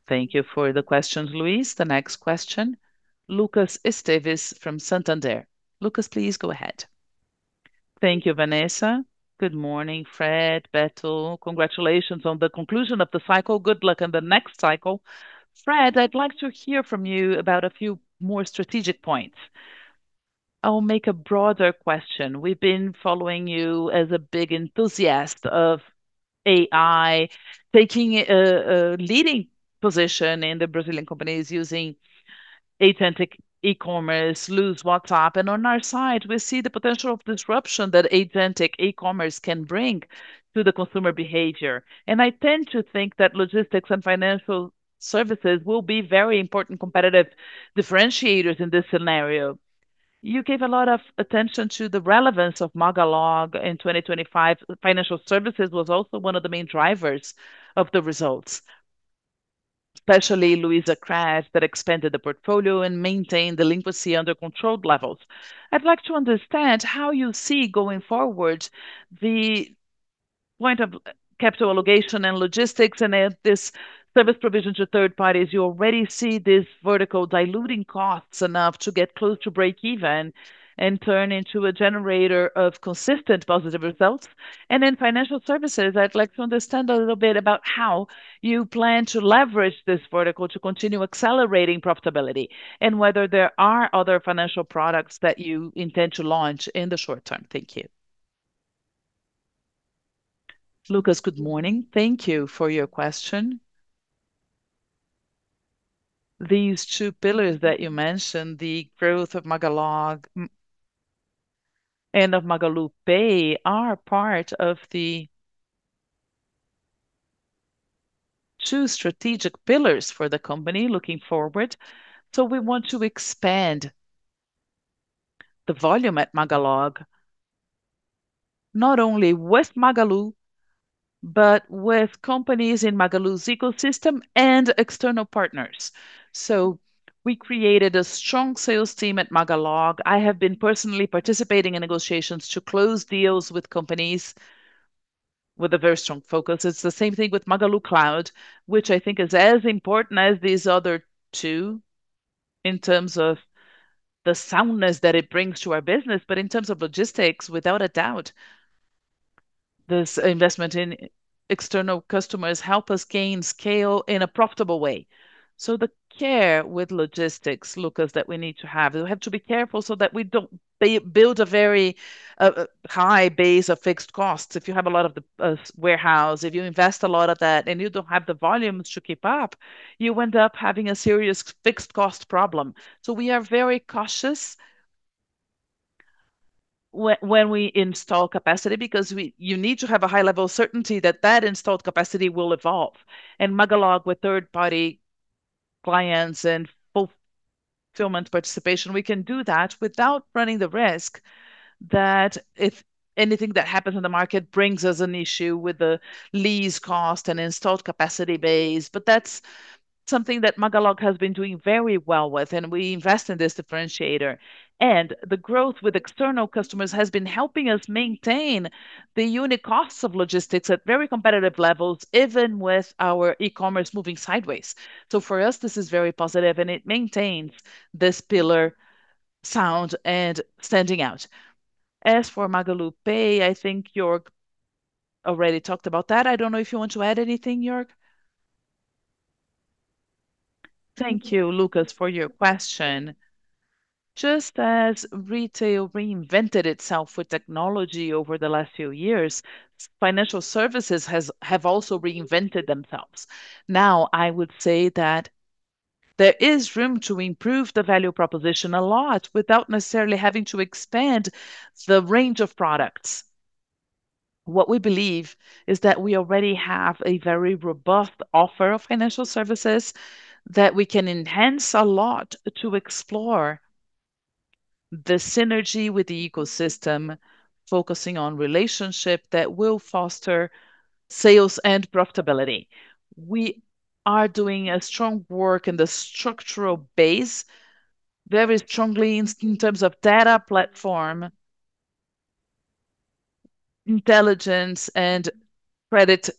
Thank you for the question, Luiz. The next question, Lucas Esteves from Santander. Lucas, please go ahead. Thank you, Vanessa. Good morning, Fred, Beto. Congratulations on the conclusion of the cycle. Good luck on the next cycle. Fred, I'd like to hear from you about a few more strategic points. I'll make a broader question. We've been following you as a big enthusiast of AI taking a leading position in the Brazilian companies using agentic e-commerce, Lu's WhatsApp. On our side we see the potential of disruption that agentic e-commerce can bring to the consumer behavior. I tend to think that logistics and financial services will be very important competitive differentiators in this scenario. You gave a lot of attention to the relevance of MagaluLog in 2025. Financial Services was also one of the main drivers of the results, especially Luizacred that expanded the portfolio and maintained delinquency under controlled levels. I'd like to understand how you see going forward the point of capital allocation and logistics and this service provision to third parties. You already see this vertical diluting costs enough to get close to breakeven and turn into a generator of consistent positive results. In financial services, I'd like to understand a little bit about how you plan to leverage this vertical to continue accelerating profitability, and whether there are other financial products that you intend to launch in the short term. Thank you. Lucas, good morning. Thank you for your question. These two pillars that you mentioned, the growth of MagaluLog and of MagaluPay are part of the two strategic pillars for the company looking forward. We want to expand the volume at MagaluLog, not only with Magalu, but with companies in Magalu's ecosystem and external partners. We created a strong sales team at MagaluLog. I have been personally participating in negotiations to close deals with companies with a very strong focus. It's the same thing with Magalu Cloud, which I think is as important as these other two in terms of the soundness that it brings to our business. In terms of logistics, without a doubt, this investment in external customers help us gain scale in a profitable way. The care with logistics, Lucas, that we need to have, we have to be careful so that we don't build a very high base of fixed costs. If you have a lot of the warehouse, if you invest a lot of that and you don't have the volumes to keep up, you end up having a serious fixed cost problem. We are very cautious when we install capacity because you need to have a high level of certainty that that installed capacity will evolve. MagaluLog with third-party clients and fulfillment participation, we can do that without running the risk that if anything that happens in the market brings us an issue with the lease cost and installed capacity base. That's something that MagaluLog has been doing very well with, and we invest in this differentiator. The growth with external customers has been helping us maintain the unit costs of logistics at very competitive levels, even with our e-commerce moving sideways. For us, this is very positive and it maintains this pillar sound and standing out. As for MagaluPay, I think your Already talked about that. I don't know if you want to add anything, Jörg. Thank you, Lucas, for your question. Just as retail reinvented itself with technology over the last few years, financial services have also reinvented themselves. Now, I would say that there is room to improve the value proposition a lot without necessarily having to expand the range of products. What we believe is that we already have a very robust offer of financial services that we can enhance a lot to explore the synergy with the ecosystem, focusing on relationship that will foster sales and profitability. We are doing a strong work in the structural base very strongly in terms of data platform, intelligence and credit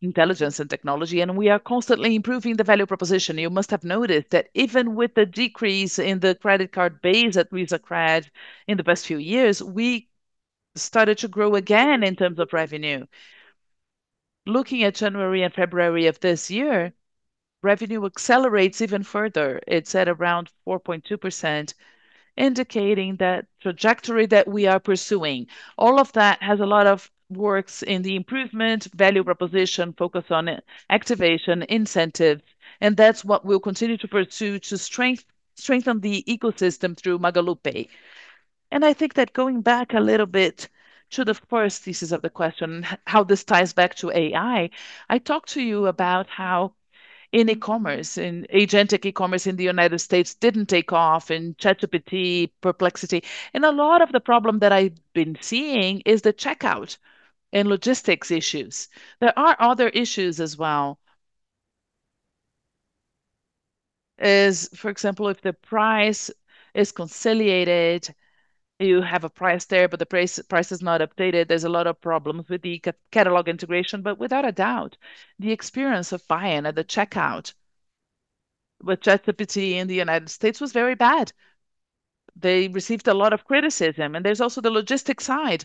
intelligence and technology, and we are constantly improving the value proposition. You must have noticed that even with the decrease in the credit card base that we've acquired in the past few years, we started to grow again in terms of revenue. Looking at January and February of this year, revenue accelerates even further. It's at around 4.2%, indicating that trajectory that we are pursuing. All of that has a lot of work in the improvement, value proposition, focus on activation, incentive, and that's what we'll continue to pursue to strengthen the ecosystem through MagaluPay. I think that going back a little bit to the first thesis of the question, how this ties back to AI, I talked to you about how in e-commerce, in agentic e-commerce in the United States didn't take off and ChatGPT, Perplexity. A lot of the problem that I've been seeing is the checkout and logistics issues. There are other issues as well. It's, for example, if the price is reconciled, you have a price there, but the price is not updated. There's a lot of problems with the catalog integration. Without a doubt, the experience of buying at the checkout with ChatGPT in the United States was very bad. They received a lot of criticism. There's also the logistics side.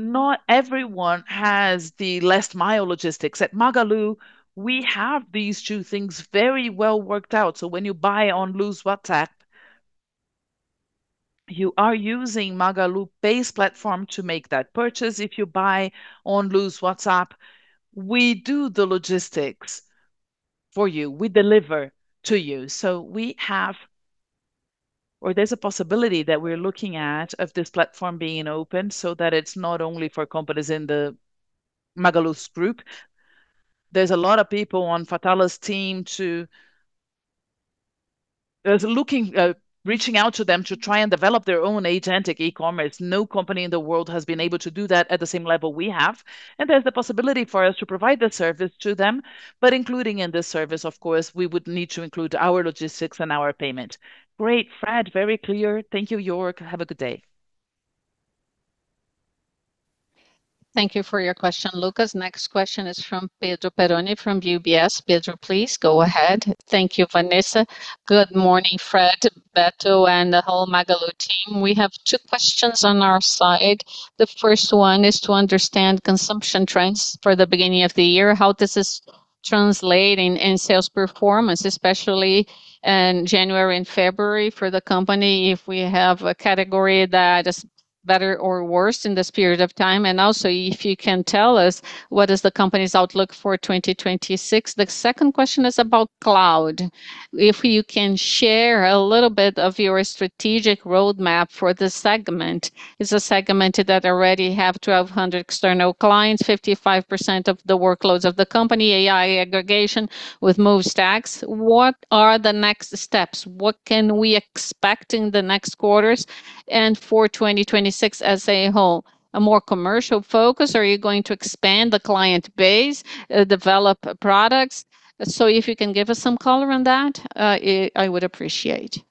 Not everyone has the last mile logistics. At Magalu, we have these two things very well worked out, so when you buy on Lu's WhatsApp, you are using MagaluPay's platform to make that purchase. If you buy on Lu's WhatsApp, we do the logistics for you. We deliver to you. There's a possibility that we're looking at of this platform being open, so that it's not only for companies in the Magalu's group. There's a lot of people on Fatala's team reaching out to them to try and develop their own agentic e-commerce. No company in the world has been able to do that at the same level we have. There's the possibility for us to provide the service to them. Including in this service, of course, we would need to include our logistics and our payment. Great, Fred. Very clear. Thank you, Jörg. Have a good day. Thank you for your question, Lucas. Next question is from Pedro Peroni from UBS. Pedro, please go ahead. Thank you, Vanessa. Good morning, Fred, Beto, and the whole Magalu team. We have two questions on our side. The first one is to understand consumption trends for the beginning of the year. How is this translating in sales performance, especially in January and February for the company, if we have a category that is better or worse in this period of time? Also, if you can tell us what is the company's outlook for 2026. The second question is about cloud. If you can share a little bit of your strategic roadmap for this segment. It's a segment that already has 1,200 external clients, 55% of the workloads of the company, AI aggregation with MoveStax. What are the next steps? What can we expect in the next quarters and for 2026 as a whole? A more commercial focus? Are you going to expand the client base, develop products? If you can give us some color on that, I would appreciate.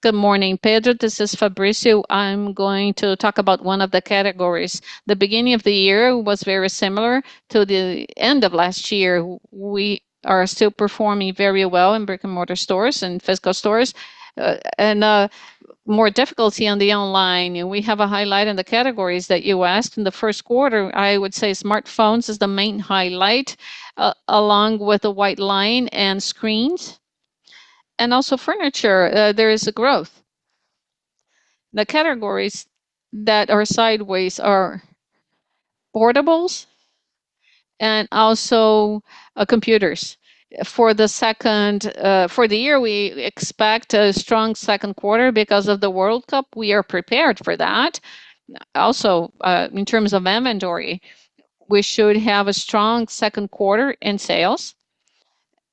Good morning, Pedro. This is Fabricio. I'm going to talk about one of the categories. The beginning of the year was very similar to the end of last year. We are still performing very well in brick-and-mortar stores and physical stores, and more difficulty on the online. We have a highlight on the categories that you asked. In the first quarter, I would say smartphones is the main highlight, along with the white line and screens. Also furniture, there is a growth. The categories that are sideways are portables and also computers. For the year, we expect a strong second quarter because of the World Cup. We are prepared for that. Also, in terms of inventory, we should have a strong second quarter in sales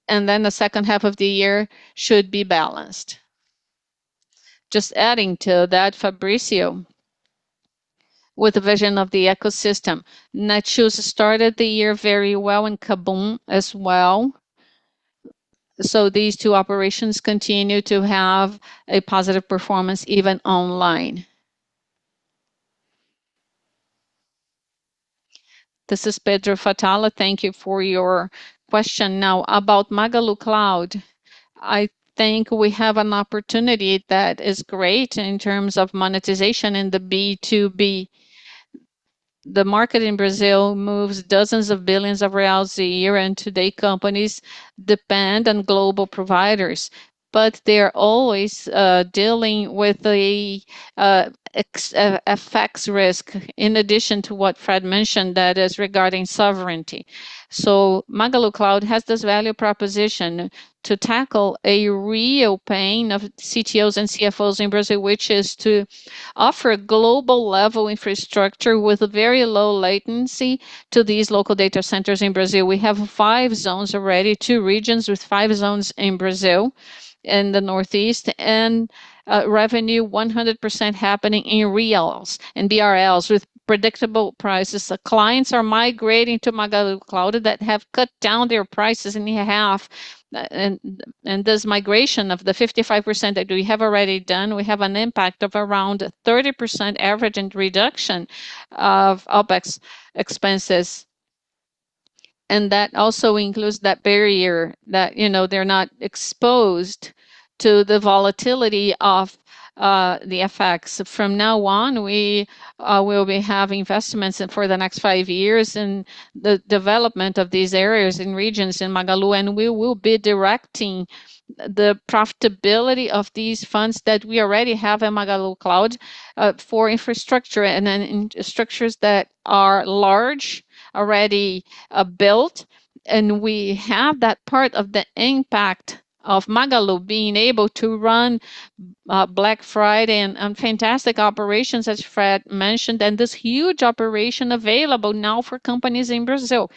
and then the second half of the year should be balanced. Just adding to that, Fabricio, with the vision of the ecosystem. Netshoes started the year very well, and KaBuM! as well. These two operations continue to have a positive performance even online. This is Fatala. Thank you for your question. Now, about Magalu Cloud, I think we have an opportunity that is great in terms of monetization in the B2B. The market in Brazil moves BRL dozens of billions a year, and today, companies depend on global providers, but they're always dealing with the FX risk, in addition to what Fred mentioned, that is regarding sovereignty. Magalu Cloud has this value proposition to tackle a real pain of CTOs and CFOs in Brazil, which is to offer a global level infrastructure with a very low latency to these local data centers in Brazil. We have five zones already, two regions with five zones in Brazil, in the Northeast, and revenue 100% happening in reals, in BRL with predictable prices. The clients are migrating to Magalu Cloud that have cut down their prices in half. This migration of the 55% that we have already done, we have an impact of around 30% average in reduction of OpEx expenses. That also includes that barrier that, you know, they're not exposed to the volatility of the FX. From now on, we will be having investments for the next five years in the development of these areas and regions in Magalu, and we will be directing the profitability of these funds that we already have in Magalu Cloud for infrastructure and in structures that are large, already built. We have that part of the impact of Magalu being able to run Black Friday and fantastic operations, as Fred mentioned, and this huge operation available now for companies in Brazil.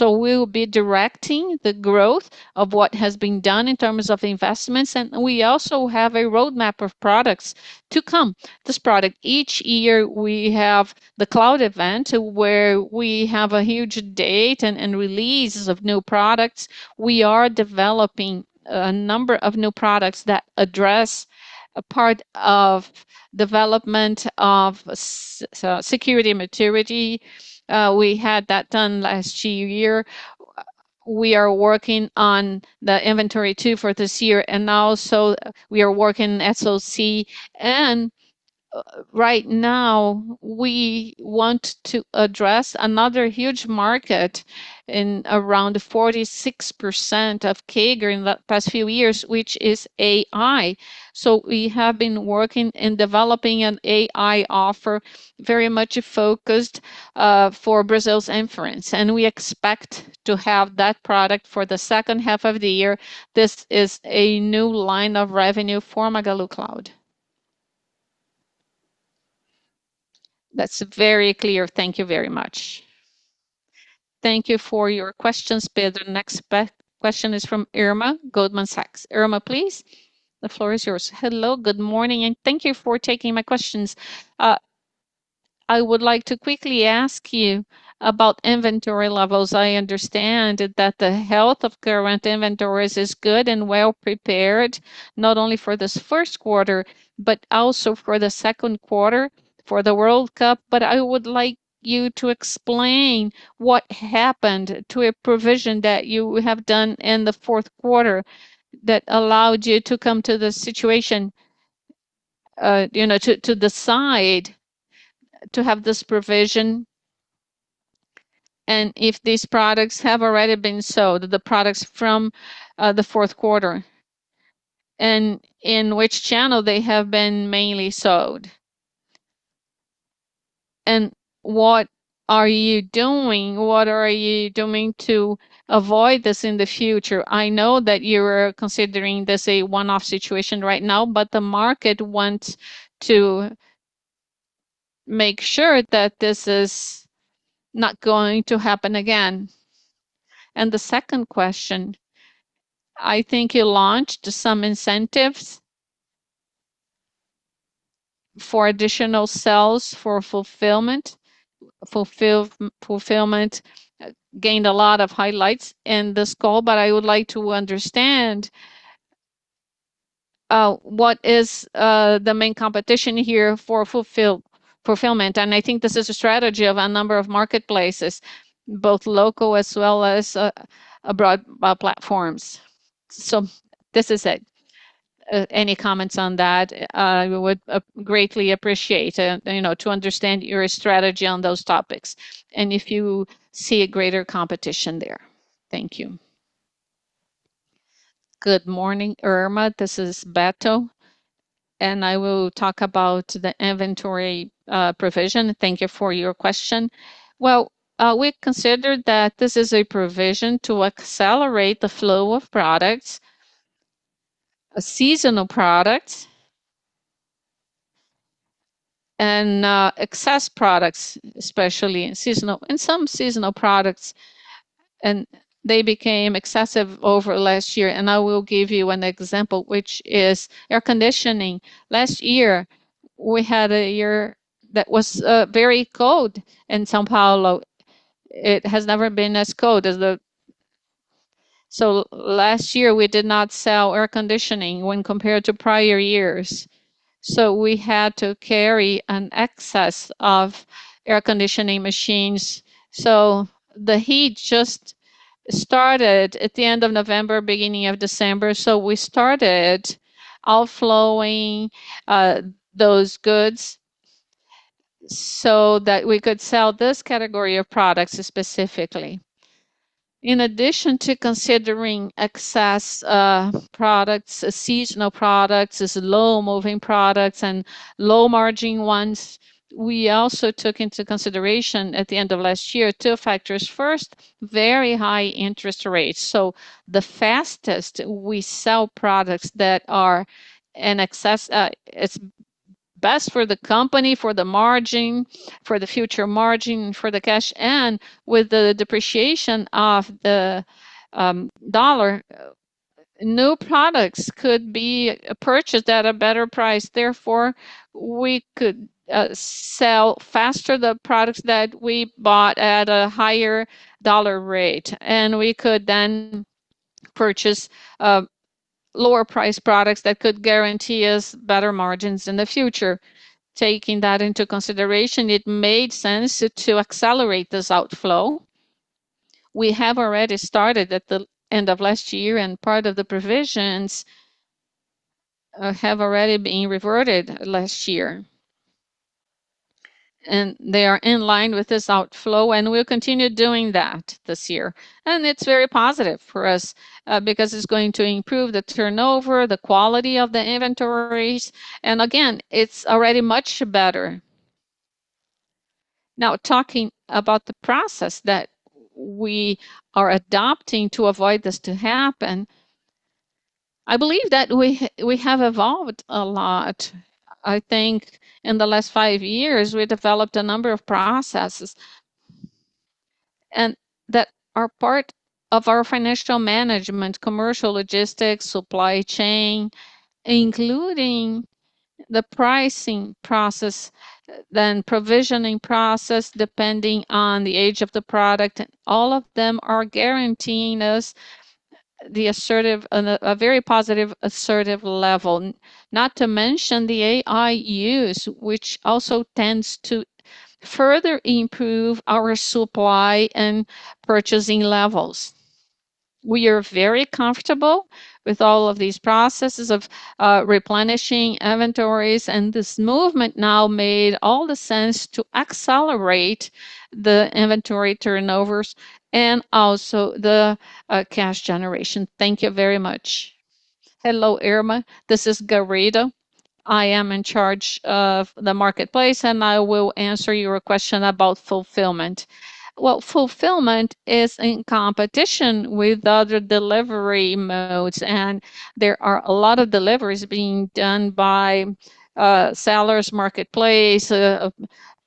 We will be directing the growth of what has been done in terms of investments, and we also have a roadmap of products to come. This product, each year we have the cloud event where we have a huge data and releases of new products. We are developing a number of new products that address a part of development of security maturity. We had that done last year. We are working on the inventory too for this year. We are working SOC. Right now we want to address another huge market in around 46% CAGR in the past few years, which is AI. We have been working in developing an AI offer, very much focused for Brazil's inference, and we expect to have that product for the second half of the year. This is a new line of revenue for Magalu Cloud. That's very clear. Thank you very much. Thank you for your questions, Pedro. Next question is from Irma, Goldman Sachs. Irma, please, the floor is yours. Hello, good morning, and thank you for taking my questions. I would like to quickly ask you about inventory levels. I understand that the health of current inventories is good and well-prepared, not only for this first quarter, but also for the second quarter for the World Cup. I would like you to explain what happened to a provision that you have done in the fourth quarter that allowed you to come to this situation, you know, to decide to have this provision. If these products have already been sold, the products from the fourth quarter, and in which channel they have been mainly sold. What are you doing to avoid this in the future? I know that you are considering this a one-off situation right now, but the market wants to make sure that this is not going to happen again. The second question, I think you launched some incentives for additional sales for fulfillment. Fulfillment gained a lot of highlights in this call, but I would like to understand what is the main competition here for fulfillment? I think this is a strategy of a number of marketplaces, both local as well as abroad platforms. This is it. Any comments on that, I would greatly appreciate, you know, to understand your strategy on those topics, and if you see a greater competition there. Thank you. Good morning, Irma. This is Beto, and I will talk about the inventory provision. Thank you for your question. We considered that this is a provision to accelerate the flow of products, seasonal products and excess products, especially in some seasonal products, and they became excessive over last year. I will give you an example, which is air conditioning. Last year, we had a year that was very cold in São Paulo. It has never been as cold as this. Last year we did not sell air conditioning when compared to prior years, so we had to carry an excess of air conditioning machines. The heat just started at the end of November, beginning of December, so we started outflowing those goods so that we could sell this category of products specifically. In addition to considering excess products, seasonal products, slow-moving products and low-margin ones, we also took into consideration at the end of last year two factors. First, very high interest rates. The fastest we sell products that are in excess, it's best for the company, for the margin, for the future margin, for the cash. With the depreciation of the dollar, new products could be purchased at a better price, therefore we could sell faster the products that we bought at a higher dollar rate, and we could then purchase lower priced products that could guarantee us better margins in the future. Taking that into consideration, it made sense to accelerate this outflow. We have already started at the end of last year, and part of the provisions have already been reverted last year. They are in line with this outflow, and we'll continue doing that this year. It's very positive for us because it's going to improve the turnover, the quality of the inventories, and again, it's already much better. Now talking about the process that we are adopting to avoid this to happen, I believe that we have evolved a lot. I think in the last five years we developed a number of processes and that are part of our financial management, commercial logistics, supply chain, including the pricing process, then provisioning process, depending on the age of the product. All of them are guaranteeing us the assertiveness on a very positive, assertive level. Not to mention the AI use, which also tends to further improve our supply and purchasing levels. We are very comfortable with all of these processes of replenishing inventories, and this movement now made all the sense to accelerate the inventory turnovers and also the cash generation. Thank you very much. Hello, Irma. This is Garrido. I am in charge of the marketplace, and I will answer your question about fulfillment. Fulfillment is in competition with other delivery modes, and there are a lot of deliveries being done by sellers, marketplace,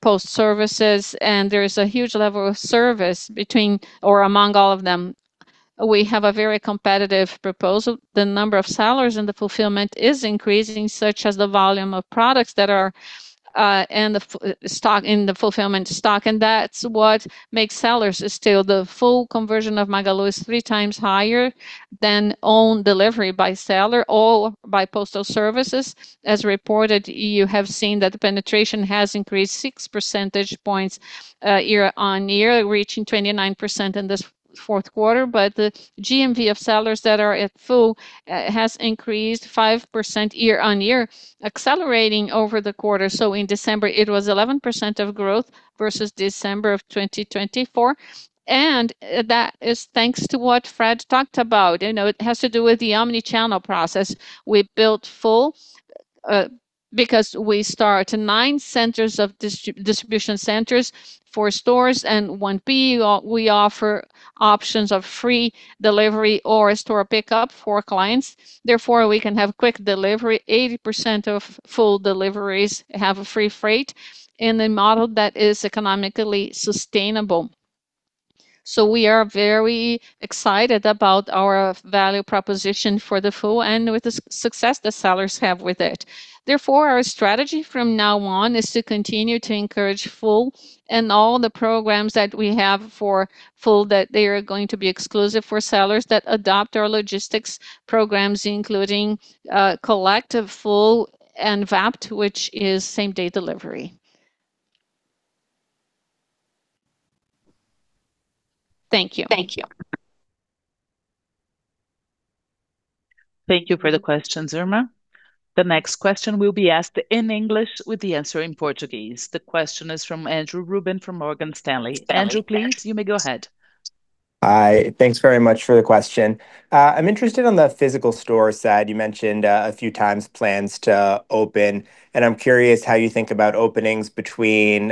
post services, and there is a huge level of service between or among all of them. We have a very competitive proposal. The number of sellers in the fulfillment is increasing, such as the volume of products that are in the fulfillment stock, and that's what makes sellers still the fulfillment conversion of Magalu is 3x higher than own delivery by seller or by postal services. As reported, you have seen that the penetration has increased six percentage points year-on-year, reaching 29% in this fourth quarter. The GMV of sellers that are at fulfillment has increased 5% year-on-year, accelerating over the quarter. In December it was 11% of growth versus December of 2024, and that is thanks to what Fred talked about. You know, it has to do with the omni-channel process. We built Fulfillment because we started nine centers of distribution centers for stores and one 3P. We offer options of free delivery or store pickup for clients, therefore we can have quick delivery. 80% of Fulfillment deliveries have a free freight in a model that is economically sustainable. We are very excited about our value proposition for the Fulfillment and with the success the sellers have with it. Therefore, our strategy from now on is to continue to encourage Fulfillment and all the programs that we have for Fulfillment, that they are going to be exclusive for sellers that adopt our logistics programs, including CollectFull and Vapt, which is same-day delivery. Thank you. Thank you. Thank you for the question, Irma. The next question will be asked in English with the answer in Portuguese. The question is from Andrew Rubin from Morgan Stanley. Andrew, please you may go ahead. Hi. Thanks very much for the question. I'm interested in the physical store side. You mentioned a few times plans to open, and I'm curious how you think about openings between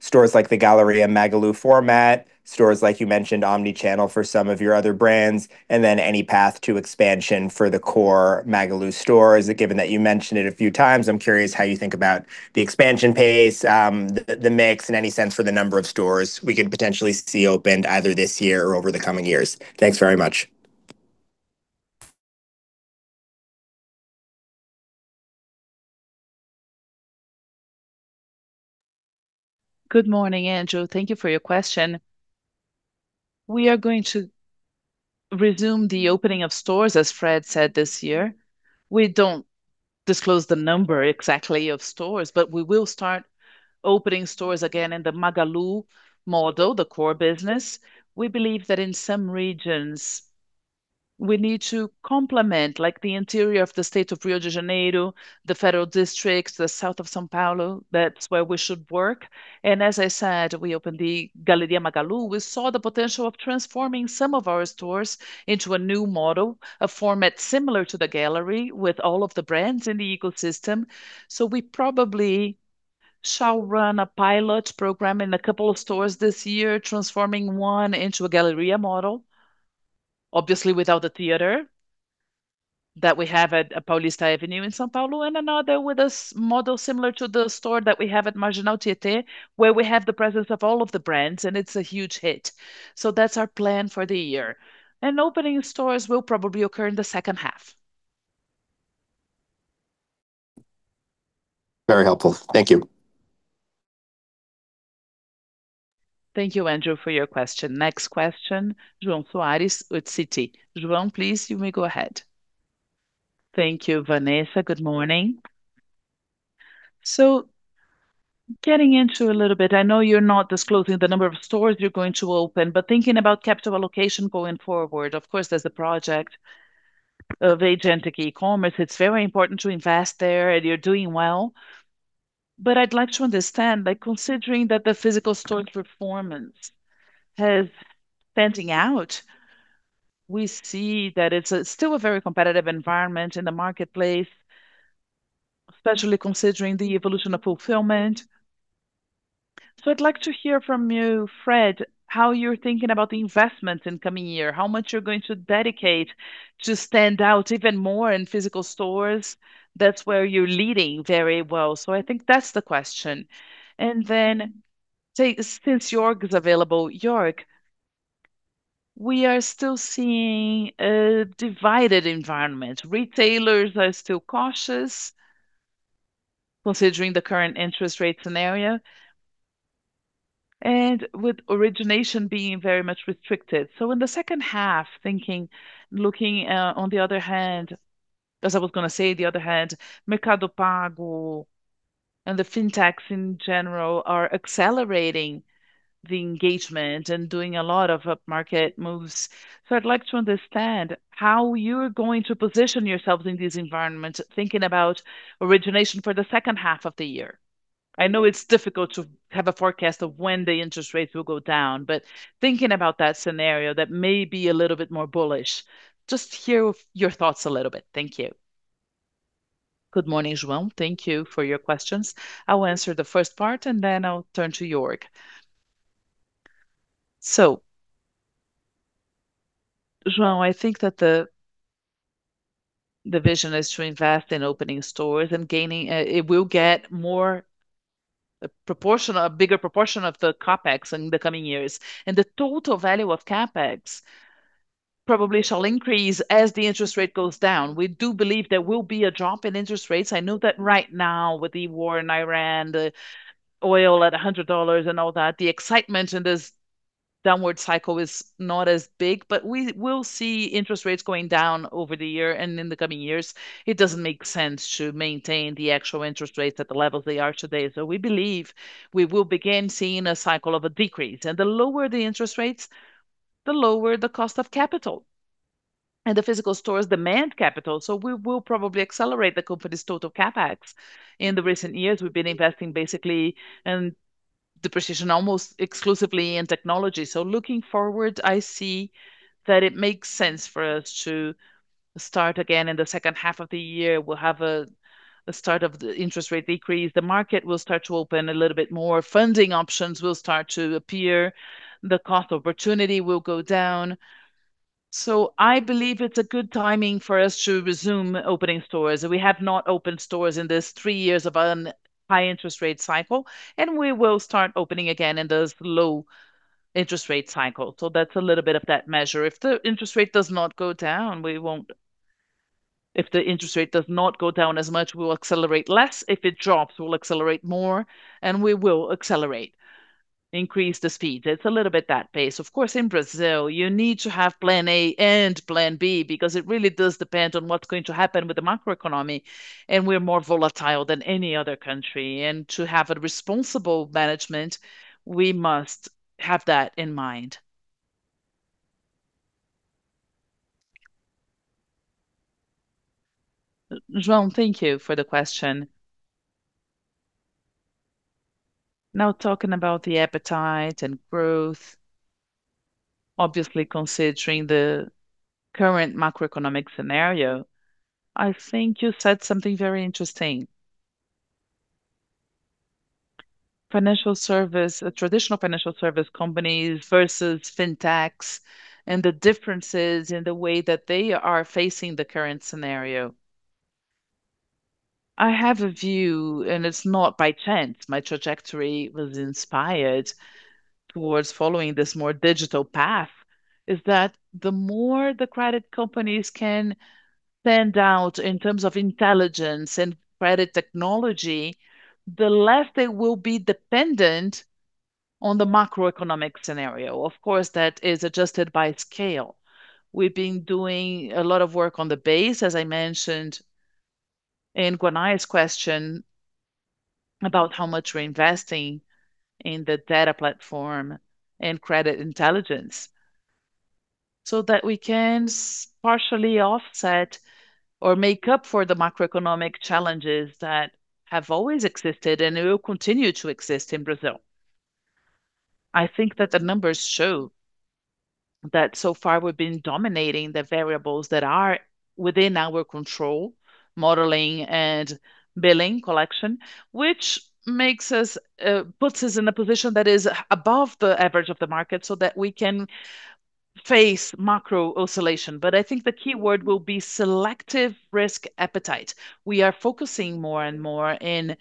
stores like the Galeria Magalu format, stores like you mentioned, omni-channel for some of your other brands, and then any path to expansion for the core Magalu stores. Given that you mentioned it a few times, I'm curious how you think about the expansion pace, the mix and any sense for the number of stores we could potentially see opened either this year or over the coming years. Thanks very much. Good morning, Andrew. Thank you for your question. We are going to resume the opening of stores, as Fred said, this year. We don't disclose the number exactly of stores, but we will start opening stores again in the Magalu model, the core business. We believe that in some regions we need to complement, like the interior of the state of Rio de Janeiro, the federal districts, the south of São Paulo, that's where we should work. As I said, we opened the Galeria Magalu. We saw the potential of transforming some of our stores into a new model, a format similar to the gallery with all of the brands in the ecosystem. We probably shall run a pilot program in a couple of stores this year, transforming one into a Galleria model, obviously without the theater that we have at Avenida Paulista in São Paulo, and another with a similar model to the store that we have at Marginal Tietê, where we have the presence of all of the brands, and it's a huge hit. That's our plan for the year. Opening stores will probably occur in the second half. Very helpful. Thank you. Thank you, Andrew, for your question. Next question, João Soares with Citi. João, please, you may go ahead. Thank you, Vanessa. Good morning. Getting into a little bit, I know you're not disclosing the number of stores you're going to open, but thinking about capital allocation going forward, of course there's the project of agentic e-commerce. It's very important to invest there, and you're doing well. I'd like to understand by considering that the physical store's performance has standing out, we see that it's still a very competitive environment in the marketplace, especially considering the evolution of fulfillment. I'd like to hear from you, Fred, how you're thinking about the investments in coming year, how much you're going to dedicate to stand out even more in physical stores. That's where you're leading very well. I think that's the question. Since Jörg is available, Jörg, we are still seeing a divided environment. Retailers are still cautious considering the current interest rate scenario, and with origination being very much restricted. In the second half, thinking, looking, on the other hand, as I was gonna say, the other hand, Mercado Pago and the fintechs in general are accelerating the engagement and doing a lot of upmarket moves. I'd like to understand how you're going to position yourselves in these environments, thinking about origination for the second half of the year. I know it's difficult to have a forecast of when the interest rates will go down, but thinking about that scenario that may be a little bit more bullish, just hear your thoughts a little bit. Thank you. Good morning, João. Thank you for your questions. I will answer the first part, and then I'll turn to Jörg. João, I think that the vision is to invest in opening stores. It will get more proportion or a bigger proportion of the CapEx in the coming years. The total value of CapEx probably shall increase as the interest rate goes down. We do believe there will be a drop in interest rates. I know that right now with the war in Iran, the oil at $100 and all that, the excitement in this downward cycle is not as big, but we will see interest rates going down over the year and in the coming years. It doesn't make sense to maintain the actual interest rates at the levels they are today. We believe we will begin seeing a cycle of a decrease. The lower the interest rates, the lower the cost of capital. The physical stores demand capital, so we will probably accelerate the company's total CapEx. In recent years, we've been investing basically, and precisely almost exclusively in technology. Looking forward, I see that it makes sense for us to start again in the second half of the year. We'll have a start of the interest rate decrease. The market will start to open a little bit more. Funding options will start to appear. The opportunity cost will go down. I believe it's a good timing for us to resume opening stores. We have not opened stores in these three years of a high interest rate cycle, and we will start opening again in this low interest rate cycle. That's a little bit of that measure. If the interest rate does not go down as much, we will accelerate less. If it drops, we'll accelerate more, and we will accelerate, increase the speed. It's a little bit that pace. Of course, in Brazil, you need to have plan A and plan B because it really does depend on what's going to happen with the macroeconomy, and we're more volatile than any other country. To have a responsible management, we must have that in mind. João, thank you for the question. Now talking about the appetite and growth, obviously considering the current macroeconomic scenario, I think you said something very interesting. Financial service, traditional financial service companies versus fintechs and the differences in the way that they are facing the current scenario. I have a view, and it's not by chance. My trajectory was inspired towards following this more digital path. Is that the more the credit companies can spend out in terms of intelligence and credit technology, the less they will be dependent on the macroeconomic scenario. Of course, that is adjusted by scale. We've been doing a lot of work on the base, as I mentioned in Guanais's question about how much we're investing in the data platform and credit intelligence, so that we can partially offset or make up for the macroeconomic challenges that have always existed and will continue to exist in Brazil. I think that the numbers show that so far we've been dominating the variables that are within our control, modeling and billing collection, which puts us in a position that is above the average of the market so that we can face macro oscillation. I think the key word will be selective risk appetite. We are focusing more and more in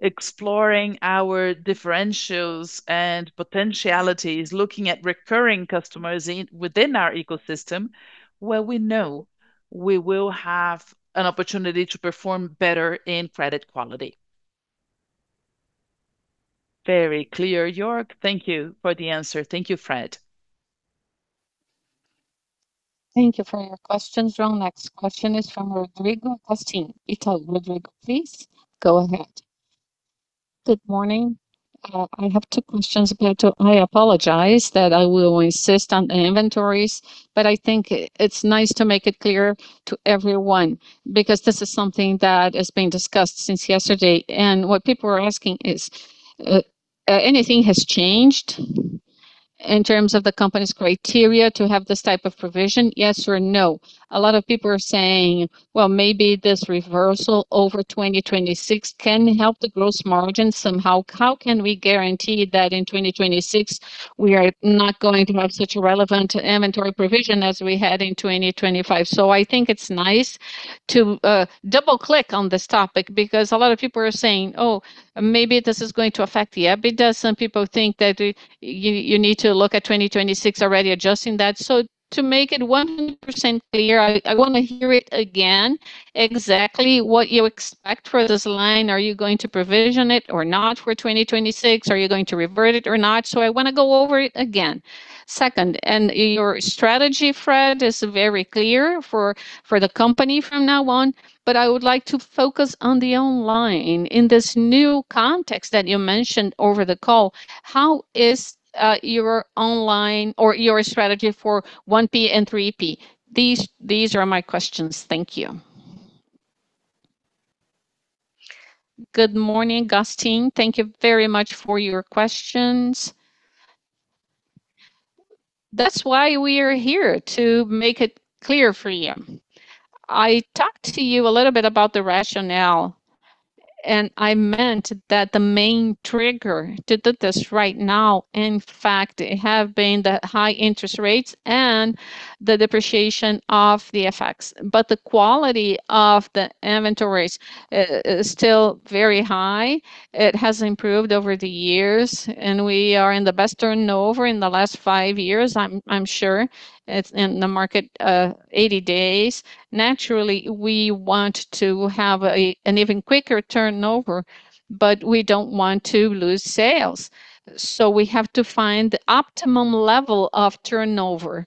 exploring our differentials and potentialities, looking at recurring customers within our ecosystem, where we know we will have an opportunity to perform better in credit quality. Very clear, Jörg. Thank you for the answer. Thank you, Fred. Thank you for your questions. Our next question is from Rodrigo Gastim, Itaú BBA. Rodrigo, please go ahead. Good morning. I have two questions. I apologize that I will insist on the inventories, but I think it's nice to make it clear to everyone because this is something that has been discussed since yesterday. What people are asking is, anything has changed in terms of the company's criteria to have this type of provision, yes or no? A lot of people are saying, "Well, maybe this reversal over 2026 can help the gross margin somehow." How can we guarantee that in 2026 we are not going to have such a relevant inventory provision as we had in 2025? I think it's nice to double-click on this topic because a lot of people are saying, "Oh, maybe this is going to affect the EBITDA." Some people think that you need to look at 2026 already adjusting that. To make it 100% clear, I wanna hear it again exactly what you expect for this line. Are you going to provision it or not for 2026? Are you going to revert it or not? I wanna go over it again. Second, your strategy, Fred, is very clear for the company from now on, but I would like to focus on the online. In this new context that you mentioned over the call, how is your online or your strategy for 1P and 3P? These are my questions. Thank you. Good morning, Gastim. Thank you very much for your questions. That's why we are here, to make it clear for you. I talked to you a little bit about the rationale, and I meant that the main trigger to do this right now, in fact, have been the high interest rates and the depreciation of the FX. The quality of the inventories is still very high. It has improved over the years, and we are in the best turnover in the last five years, I'm sure. It's in the market, 80 days. Naturally, we want to have an even quicker turnover, but we don't want to lose sales. We have to find the optimum level of turnover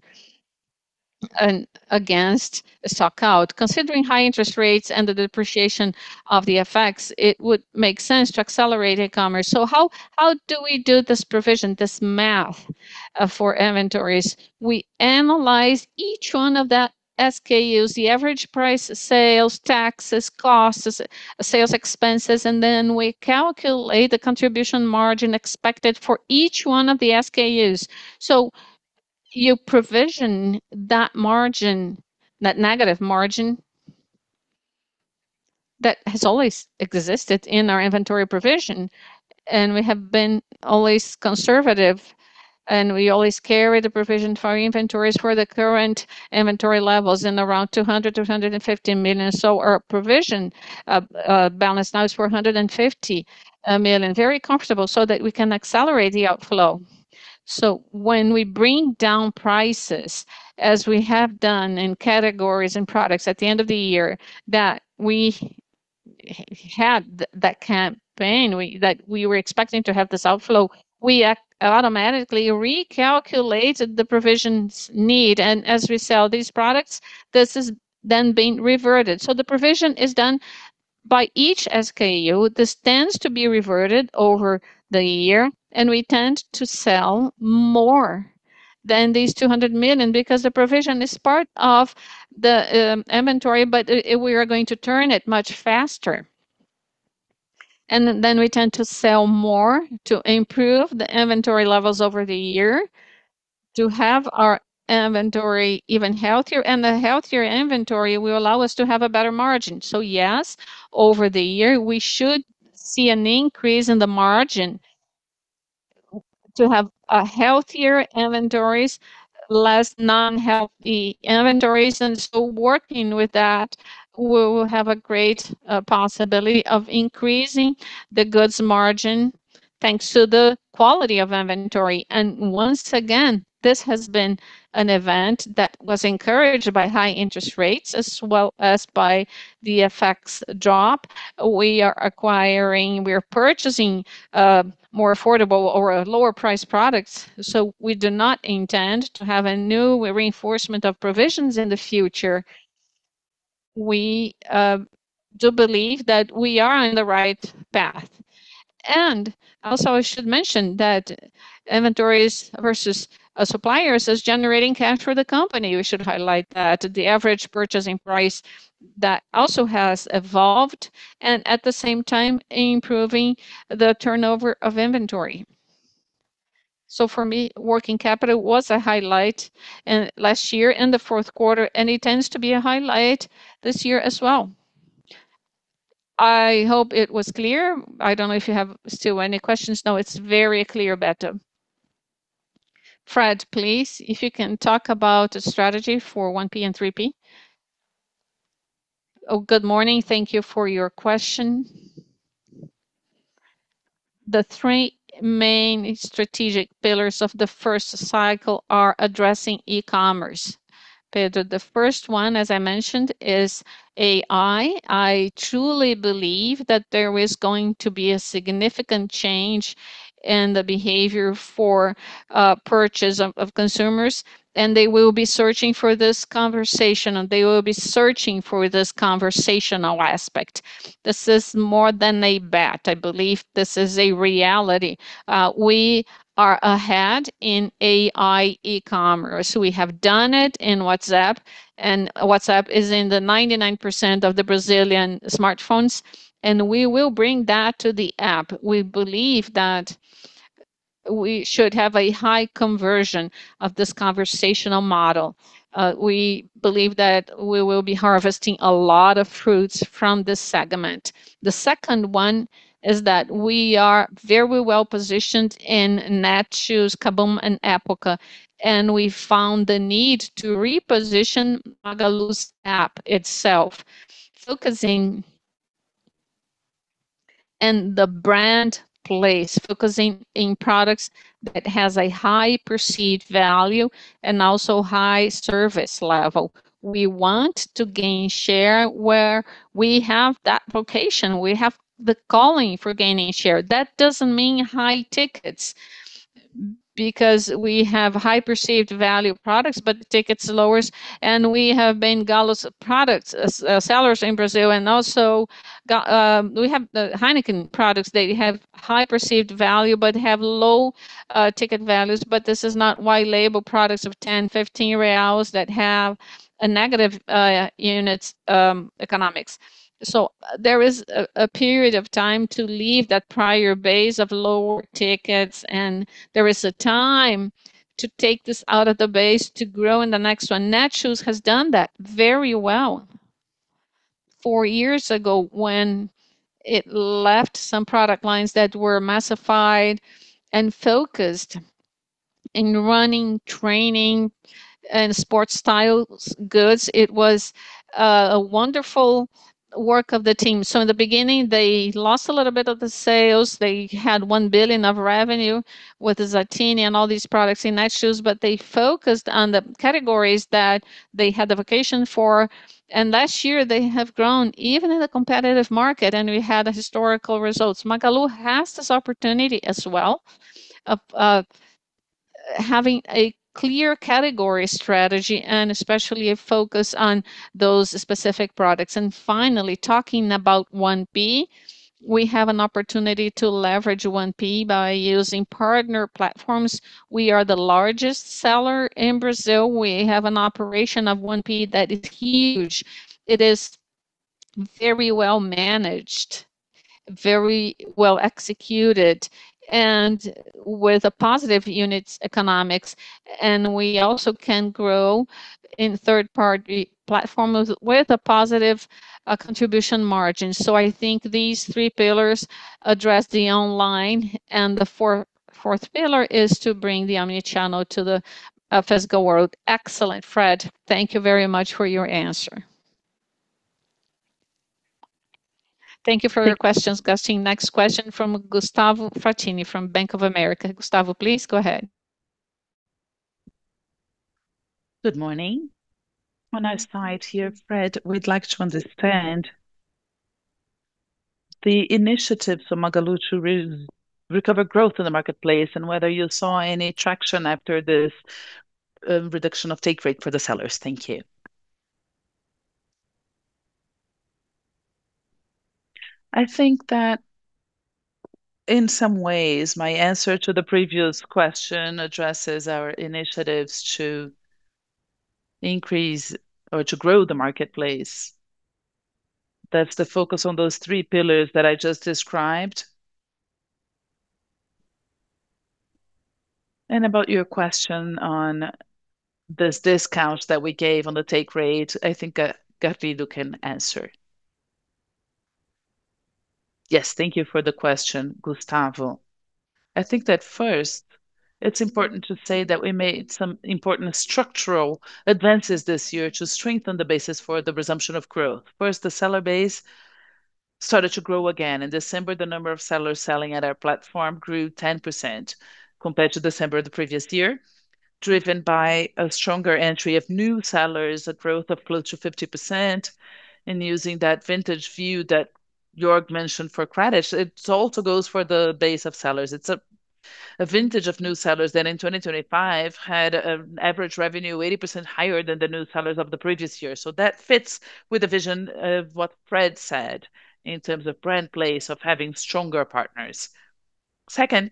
against stock out. Considering high interest rates and the depreciation of the FX, it would make sense to accelerate e-commerce. How do we do this provision, this math, for inventories? We analyze each one of the SKUs, the average price, sales, taxes, costs, sales expenses, and then we calculate the contribution margin expected for each one of the SKUs. You provision that margin, that negative margin that has always existed in our inventory provision, and we have been always conservative, and we always carry the provision for inventories for the current inventory levels in around 200-250 million. Our provision balance now is 450 million, very comfortable, so that we can accelerate the outflow. When we bring down prices, as we have done in categories and products at the end of the year that we had that campaign, that we were expecting to have this outflow, we automatically recalculated the provisions need. As we sell these products, this is then being reverted. The provision is done by each SKU. This tends to be reverted over the year, and we tend to sell more than 200 million because the provision is part of the inventory, but we are going to turn it much faster. We tend to sell more to improve the inventory levels over the year to have our inventory even healthier. The healthier inventory will allow us to have a better margin. Yes, over the year, we should see an increase in the margin to have healthier inventories, less non-healthy inventories. Working with that, we will have a great possibility of increasing the gross margin. Thanks to the quality of inventory. Once again, this has been an event that was encouraged by high interest rates as well as by the FX drop. We are purchasing more affordable or lower priced products, so we do not intend to have a new reinforcement of provisions in the future. We do believe that we are on the right path. I should mention that inventories versus suppliers is generating cash for the company. We should highlight that. The average purchasing price that also has evolved, and at the same time improving the turnover of inventory. For me, working capital was a highlight in last year in the fourth quarter, and it tends to be a highlight this year as well. I hope it was clear. I don't know if you have still any questions. No, it's very clear, Beto. Fred, please, if you can talk about the strategy for 1P and 3P. Oh, good morning. Thank you for your question. The three main strategic pillars of the first cycle are addressing e-commerce, Pedro. The first one, as I mentioned, is AI. I truly believe that there is going to be a significant change in the behavior for purchase of consumers, and they will be searching for this conversation, and they will be searching for this conversational aspect. This is more than a bet. I believe this is a reality. We are ahead in AI e-commerce. We have done it in WhatsApp, and WhatsApp is in the 99% of the Brazilian smartphones, and we will bring that to the app. We believe that we should have a high conversion of this conversational model. We believe that we will be harvesting a lot of fruits from this segment. The second one is that we are very well-positioned in Netshoes, KaBuM!, and Época Cosméticos, and we found the need to reposition Magalu's app itself, focusing in the brand place, focusing in products that has a high perceived value and also high service level. We want to gain share where we have that vocation. We have the calling for gaining share. That doesn't mean high tickets because we have high perceived value products, but the ticket's lowers. We have been Magalu's products sellers in Brazil, and also we have the Heineken products that have high perceived value but have low ticket values, but this is not white label products of 10, 15 reals that have a negative units economics. There is a period of time to leave that prior base of lower tickets, and there is a time to take this out of the base to grow in the next one. Netshoes has done that very well. Four years ago, when it left some product lines that were massified and focused in running, training, and sports style goods, it was a wonderful work of the team. In the beginning, they lost a little bit of the sales. They had 1 billion of revenue with Zattini and all these products in Netshoes, but they focused on the categories that they had the vocation for. Last year they have grown even in a competitive market, and we had historical results. Magalu has this opportunity as well of having a clear category strategy and especially a focus on those specific products. Finally, talking about 1P, we have an opportunity to leverage 1P by using partner platforms. We are the largest seller in Brazil. We have an operation of 1P that is huge. It is very well managed, very well executed, and with a positive unit economics. We also can grow in third-party platforms with a positive contribution margin. I think these three pillars address the online, and the fourth pillar is to bring the omni-channel to the physical world. Excellent, Fred. Thank you very much for your answer. Thank you for your questions, Gastim. Next question from Gustavo Fratini from Bank of America. Gustavo, please go ahead. Good morning. On our side here, Fred, we'd like to understand the initiatives for Magalu to recover growth in the marketplace and whether you saw any traction after this reduction of take rate for the sellers. Thank you. I think that in some ways my answer to the previous question addresses our initiatives to increase or to grow the marketplace. That's the focus on those three pillars that I just described. About your question on this discount that we gave on the take rate, I think Garrido can answer. Yes. Thank you for the question, Gustavo. I think that first It's important to say that we made some important structural advances this year to strengthen the basis for the resumption of growth. First, the seller base started to grow again. In December, the number of sellers selling at our platform grew 10% compared to December of the previous year, driven by a stronger entry of new sellers, a growth of close to 50%. In using that vintage view that Jörg mentioned for credit, it also goes for the base of sellers. It's a vintage of new sellers that in 2025 had an average revenue 80% higher than the new sellers of the previous year. That fits with the vision of what Fred said in terms of brand place, of having stronger partners. Second,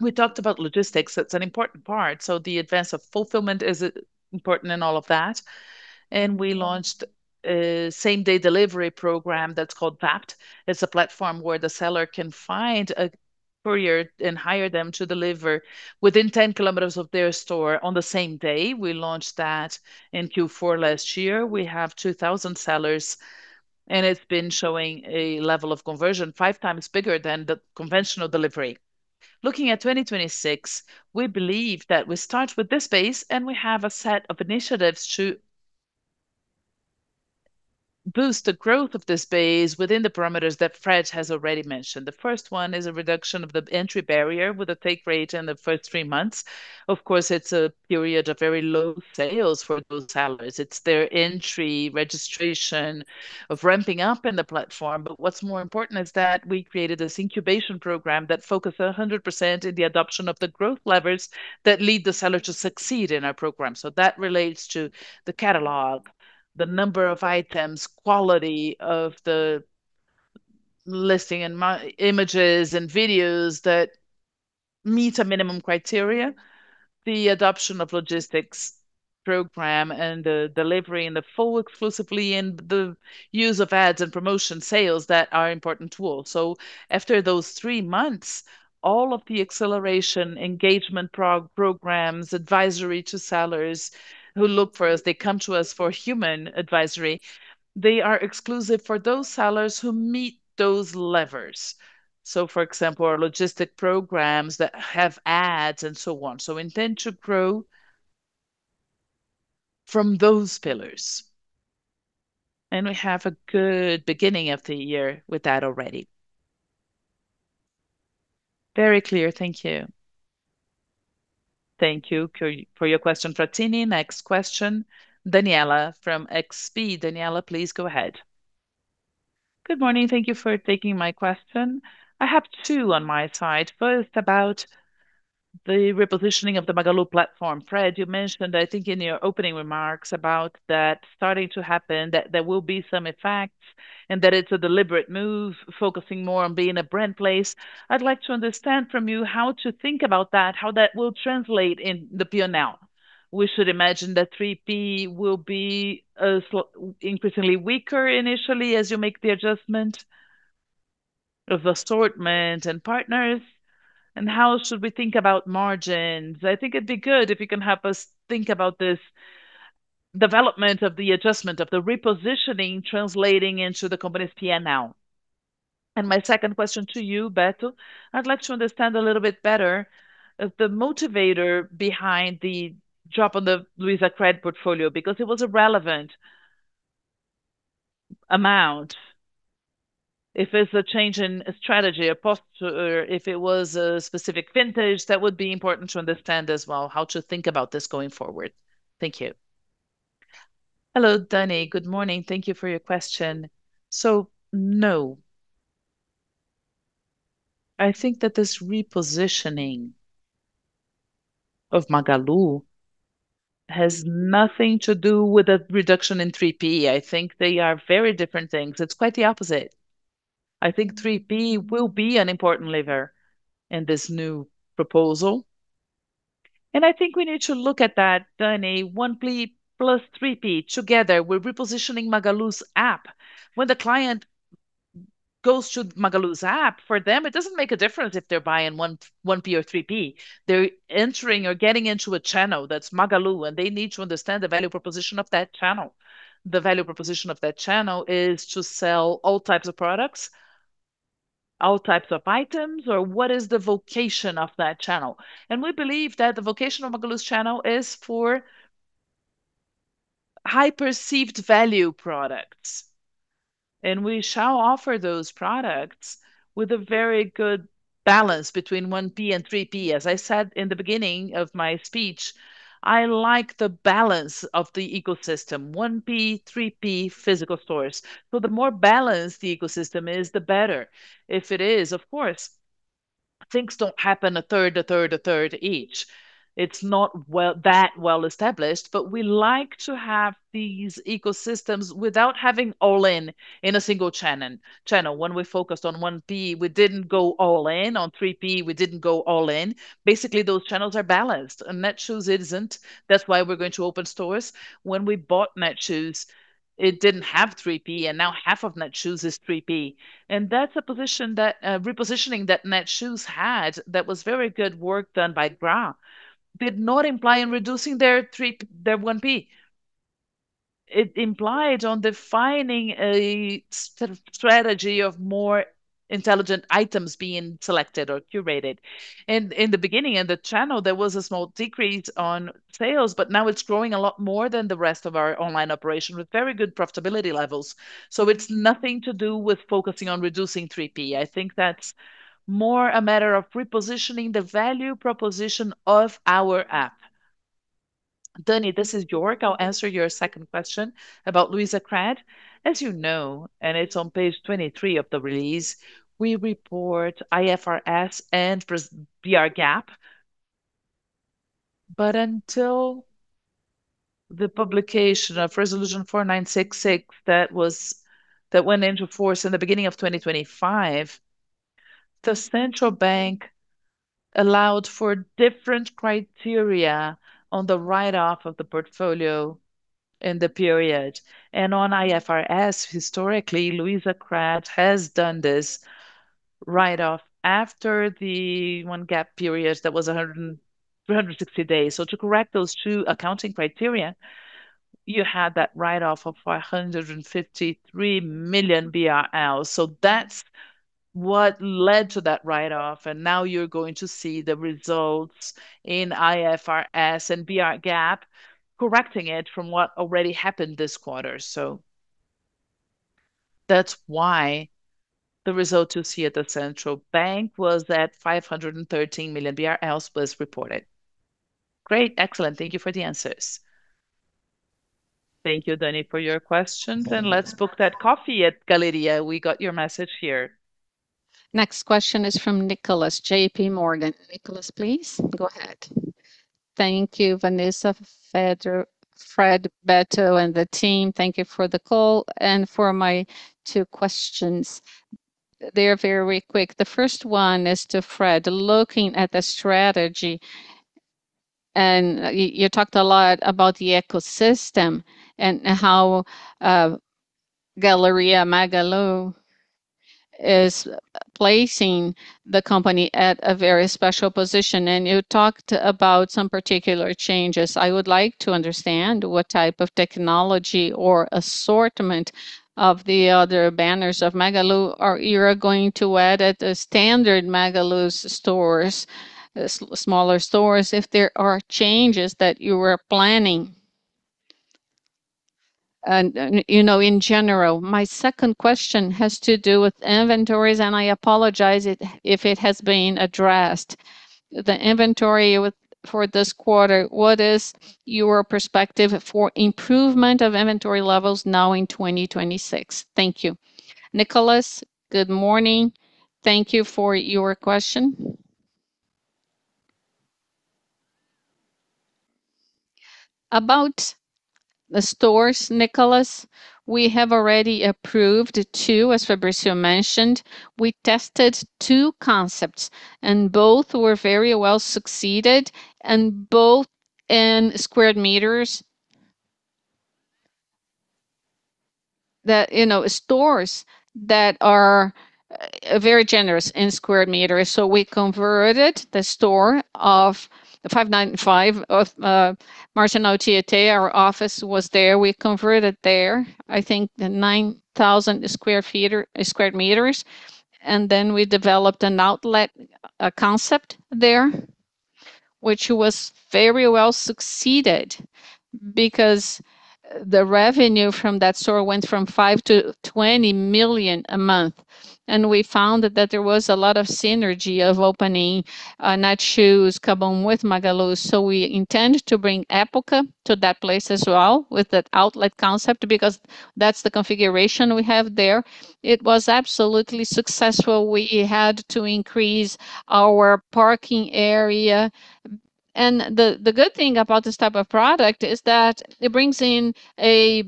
we talked about logistics. That's an important part. The advance of fulfillment is important in all of that, and we launched a same-day delivery program that's called Vapt. It's a platform where the seller can find a courier and hire them to deliver within 10 kilometers of their store on the same day. We launched that in Q4 last year. We have 2,000 sellers, and it's been showing a level of conversion 5x bigger than the conventional delivery. Looking at 2026, we believe that we start with this base, and we have a set of initiatives to boost the growth of this base within the parameters that Fred has already mentioned. The first one is a reduction of the entry barrier with a take rate in the first three months. Of course, it's a period of very low sales for those sellers. It's their entry, registration, of ramping up in the platform. What's more important is that we created this incubation program that focuses 100% in the adoption of the growth levers that lead the seller to succeed in our program. That relates to the catalog, the number of items, quality of the listing and images and videos that meet minimum criteria, the adoption of logistics program and fulfillment exclusively and the use of ads and promotional sales that are important tools. After those three months, all of the acceleration engagement programs, advisory to sellers who look for us, they come to us for human advisory. They are exclusive for those sellers who meet those levers. For example, our logistics programs that have ads and so on. We intend to grow from those pillars. We have a good beginning of the year with that already. Very clear. Thank you. Thank you for your question, Fratini. Next question, Daniela from XP. Daniela, please go ahead. Good morning. Thank you for taking my question. I have two on my side. First, about the repositioning of the Magalu platform. Fred, you mentioned, I think in your opening remarks, about that starting to happen, that there will be some effects and that it's a deliberate move focusing more on being a brand place. I'd like to understand from you how to think about that, how that will translate in the P&L. We should imagine that 3P will be increasingly weaker initially as you make the adjustment of assortment and partners. How should we think about margins? I think it'd be good if you can help us think about this development of the adjustment of the repositioning translating into the company's P&L. My second question to you, Beto, I'd like to understand a little bit better, the motivator behind the drop of the Luizacred portfolio because it was a relevant amount. If it's a change in strategy or if it was a specific vintage, that would be important to understand as well, how to think about this going forward. Thank you. Hello, Dani. Good morning. Thank you for your question. No. I think that this repositioning of Magalu has nothing to do with a reduction in 3P. I think they are very different things. It's quite the opposite. I think 3P will be an important lever in this new proposal, and I think we need to look at that, Dani, 1P plus 3P together. We're repositioning Magalu's app. When the client goes to Magalu's app, for them, it doesn't make a difference if they're buying 1P or 3P. They're entering or getting into a channel that's Magalu, and they need to understand the value proposition of that channel. The value proposition of that channel is to sell all types of products, all types of items or what is the vocation of that channel. We believe that the vocation of Magalu's channel is for high perceived value products, and we shall offer those products with a very good balance between 1P and 3P. As I said in the beginning of my speech, I like the balance of the ecosystem, 1P, 3P, physical stores. The more balanced the ecosystem is, the better. If it is, of course, things don't happen a third each. It's not well. That well established, but we like to have these ecosystems without having all in a single channel. When we're focused on 1P, we didn't go all in. On 3P, we didn't go all in. Basically, those channels are balanced, and Netshoes isn't. That's why we're going to open stores. When we bought Netshoes, it didn't have 3P, and now half of Netshoes is 3P. That's a position that repositioning that Netshoes had that was very good work done by Gra, did not imply in reducing their 1P. It implied on defining a strategy of more intelligent items being selected or curated. In the beginning, in the channel, there was a small decrease on sales, but now it's growing a lot more than the rest of our online operation with very good profitability levels. It's nothing to do with focusing on reducing 3P. I think that's more a matter of repositioning the value proposition of our app. Dani, this is Jörg. I'll answer your second question about Luizacred. As you know, and it's on page 23 of the release, we report IFRS and BR GAAP. Until the publication of Resolution 4966 that went into force in the beginning of 2025, the central bank allowed for different criteria on the write-off of the portfolio in the period. On IFRS, historically, Luizacred has done this write-off after the BR GAAP period that was 360 days. To correct those two accounting criteria, you had that write-off of 553 million BRL. That's what led to that write-off. Now you're going to see the results in IFRS and BR GAAP correcting it from what already happened this quarter. That's why the result you see at the central bank was that 513 million BRL was reported. Great. Excellent. Thank you for the answers. Thank you, Dani, for your questions. Let's book that coffee at Galeria Magalu. We got your message here. Next question is from Nicholas, JPMorgan. Nicolas, please go ahead. Thank you, Vanessa, Fred, Beto, and the team. Thank you for the call and for my two questions. They're very quick. The first one is to Fred. Looking at the strategy, you talked a lot about the ecosystem and how Galeria Magalu is placing the company at a very special position. You talked about some particular changes. I would like to understand what type of technology or assortment of the other banners of Magalu are you going to add at the standard Magalu's stores, smaller stores, if there are changes that you are planning, you know, in general. My second question has to do with inventories, and I apologize if it has been addressed. The inventory for this quarter, what is your perspective for improvement of inventory levels now in 2026? Thank you. Nicholas, good morning. Thank you for your question. About the stores, Nicholas, we have already approved two, as Fabricio mentioned. We tested two concepts, and both were very well-succeeded, and both in square meters. You know, the stores that are very generous in square meters. We converted the store of the 595 of Marginal Tietê, our office was there. We converted there, I think the 9,000 sq ft or square meters. Then we developed an outlet, a concept there, which was very well-succeeded because the revenue from that store went from 5-20 million a month. We found that there was a lot of synergy of opening Netshoes, KaBuM! with Magalu. We intend to bring Época to that place as well with that outlet concept because that's the configuration we have there. It was absolutely successful. We had to increase our parking area. The good thing about this type of product is that it brings in a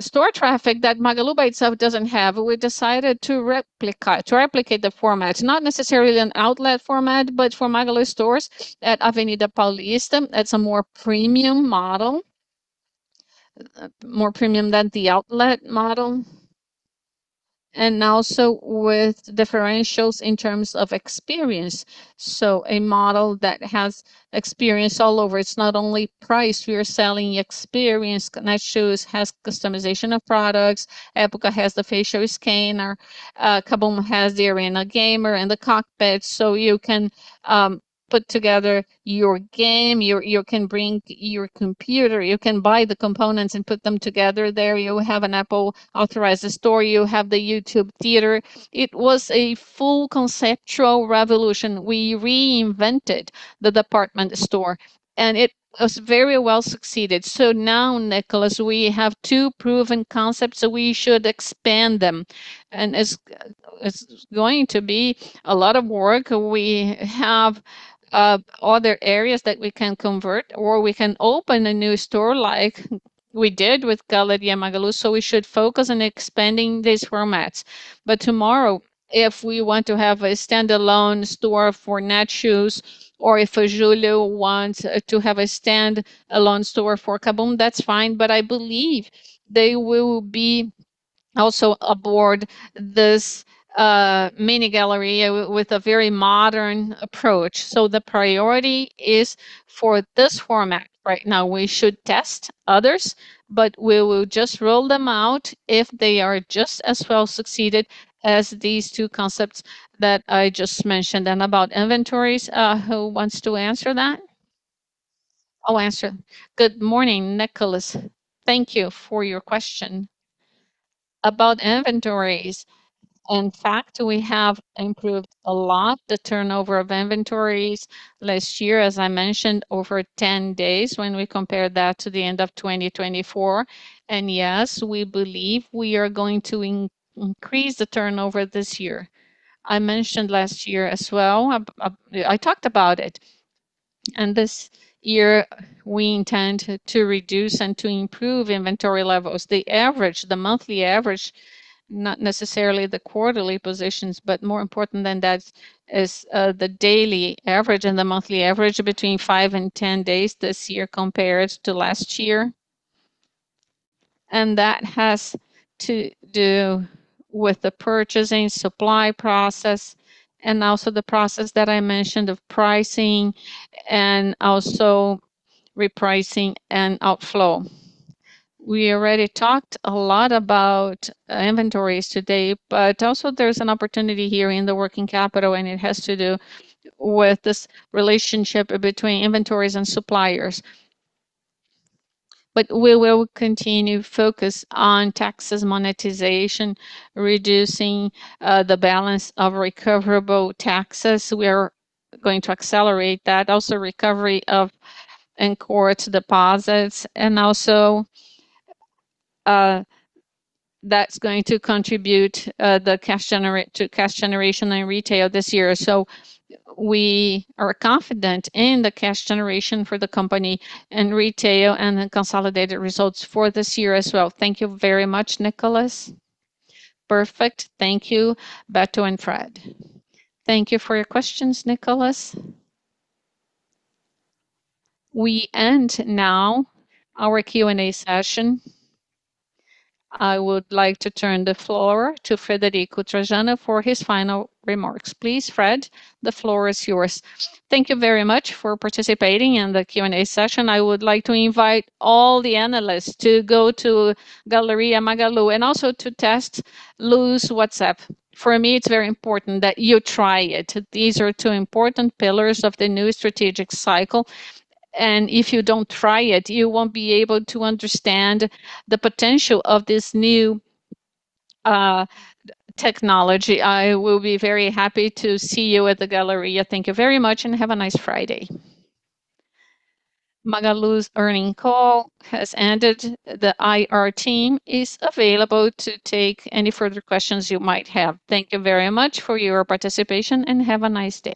store traffic that Magalu by itself doesn't have. We decided to replicate the format. Not necessarily an outlet format, but for Magalu stores at Avenida Paulista, that's a more premium model, more premium than the outlet model. Also with differentials in terms of experience. A model that has experience all over. It's not only price. We are selling experience. Netshoes has customization of products. Época has the facial scanner. KaBuM! has the arena gamer and the cockpit, so you can put together your game. You can bring your computer. You can buy the components and put them together there. You have an Apple-authorized store. You have the YouTube theater. It was a full conceptual revolution. We reinvented the department store, and it was very well-succeeded. Now, Nicholas, we have two proven concepts, so we should expand them. It's going to be a lot of work. We have other areas that we can convert, or we can open a new store like we did with Galeria Magalu. We should focus on expanding these formats. Tomorrow, if we want to have a standalone store for Netshoes or if Júlio wants to have a standalone store for KaBuM!, that's fine. I believe they will be also on board with this mini Galeria with a very modern approach. The priority is for this format right now. We should test others, but we will just roll them out if they are just as well-succeeded as these two concepts that I just mentioned. About inventories, who wants to answer that? I'll answer. Good morning, Nicholas. Thank you for your question. About inventories, in fact, we have improved a lot the turnover of inventories last year, as I mentioned, over 10 days when we compare that to the end of 2024. Yes, we believe we are going to increase the turnover this year. I mentioned last year as well, I talked about it, and this year we intend to reduce and to improve inventory levels. The average, the monthly average, not necessarily the quarterly positions, but more important than that is, the daily average and the monthly average between five and 10 days this year compared to last year. That has to do with the purchasing supply process and also the process that I mentioned of pricing and also repricing and outflow. We already talked a lot about inventories today, but also there's an opportunity here in the working capital, and it has to do with this relationship between inventories and suppliers. We will continue to focus on tax monetization, reducing the balance of recoverable taxes. We are going to accelerate that. Also, recovery of in-court deposits and also that's going to contribute to cash generation in retail this year. We are confident in the cash generation for the company and retail and the consolidated results for this year as well. Thank you very much, Nicholas. Perfect. Thank you, Beto and Fred. Thank you for your questions, Nicholas. We end now our Q&A session. I would like to turn the floor to Frederico Trajano for his final remarks. Please, Fred, the floor is yours. Thank you very much for participating in the Q&A session. I would like to invite all the analysts to go to Galeria Magalu and also to test Lu's WhatsApp. For me, it's very important that you try it. These are two important pillars of the new strategic cycle. If you don't try it, you won't be able to understand the potential of this new technology. I will be very happy to see you at the Galeria. Thank you very much and have a nice Friday. Magalu's earnings call has ended. The IR team is available to take any further questions you might have. Thank you very much for your participation and have a nice day.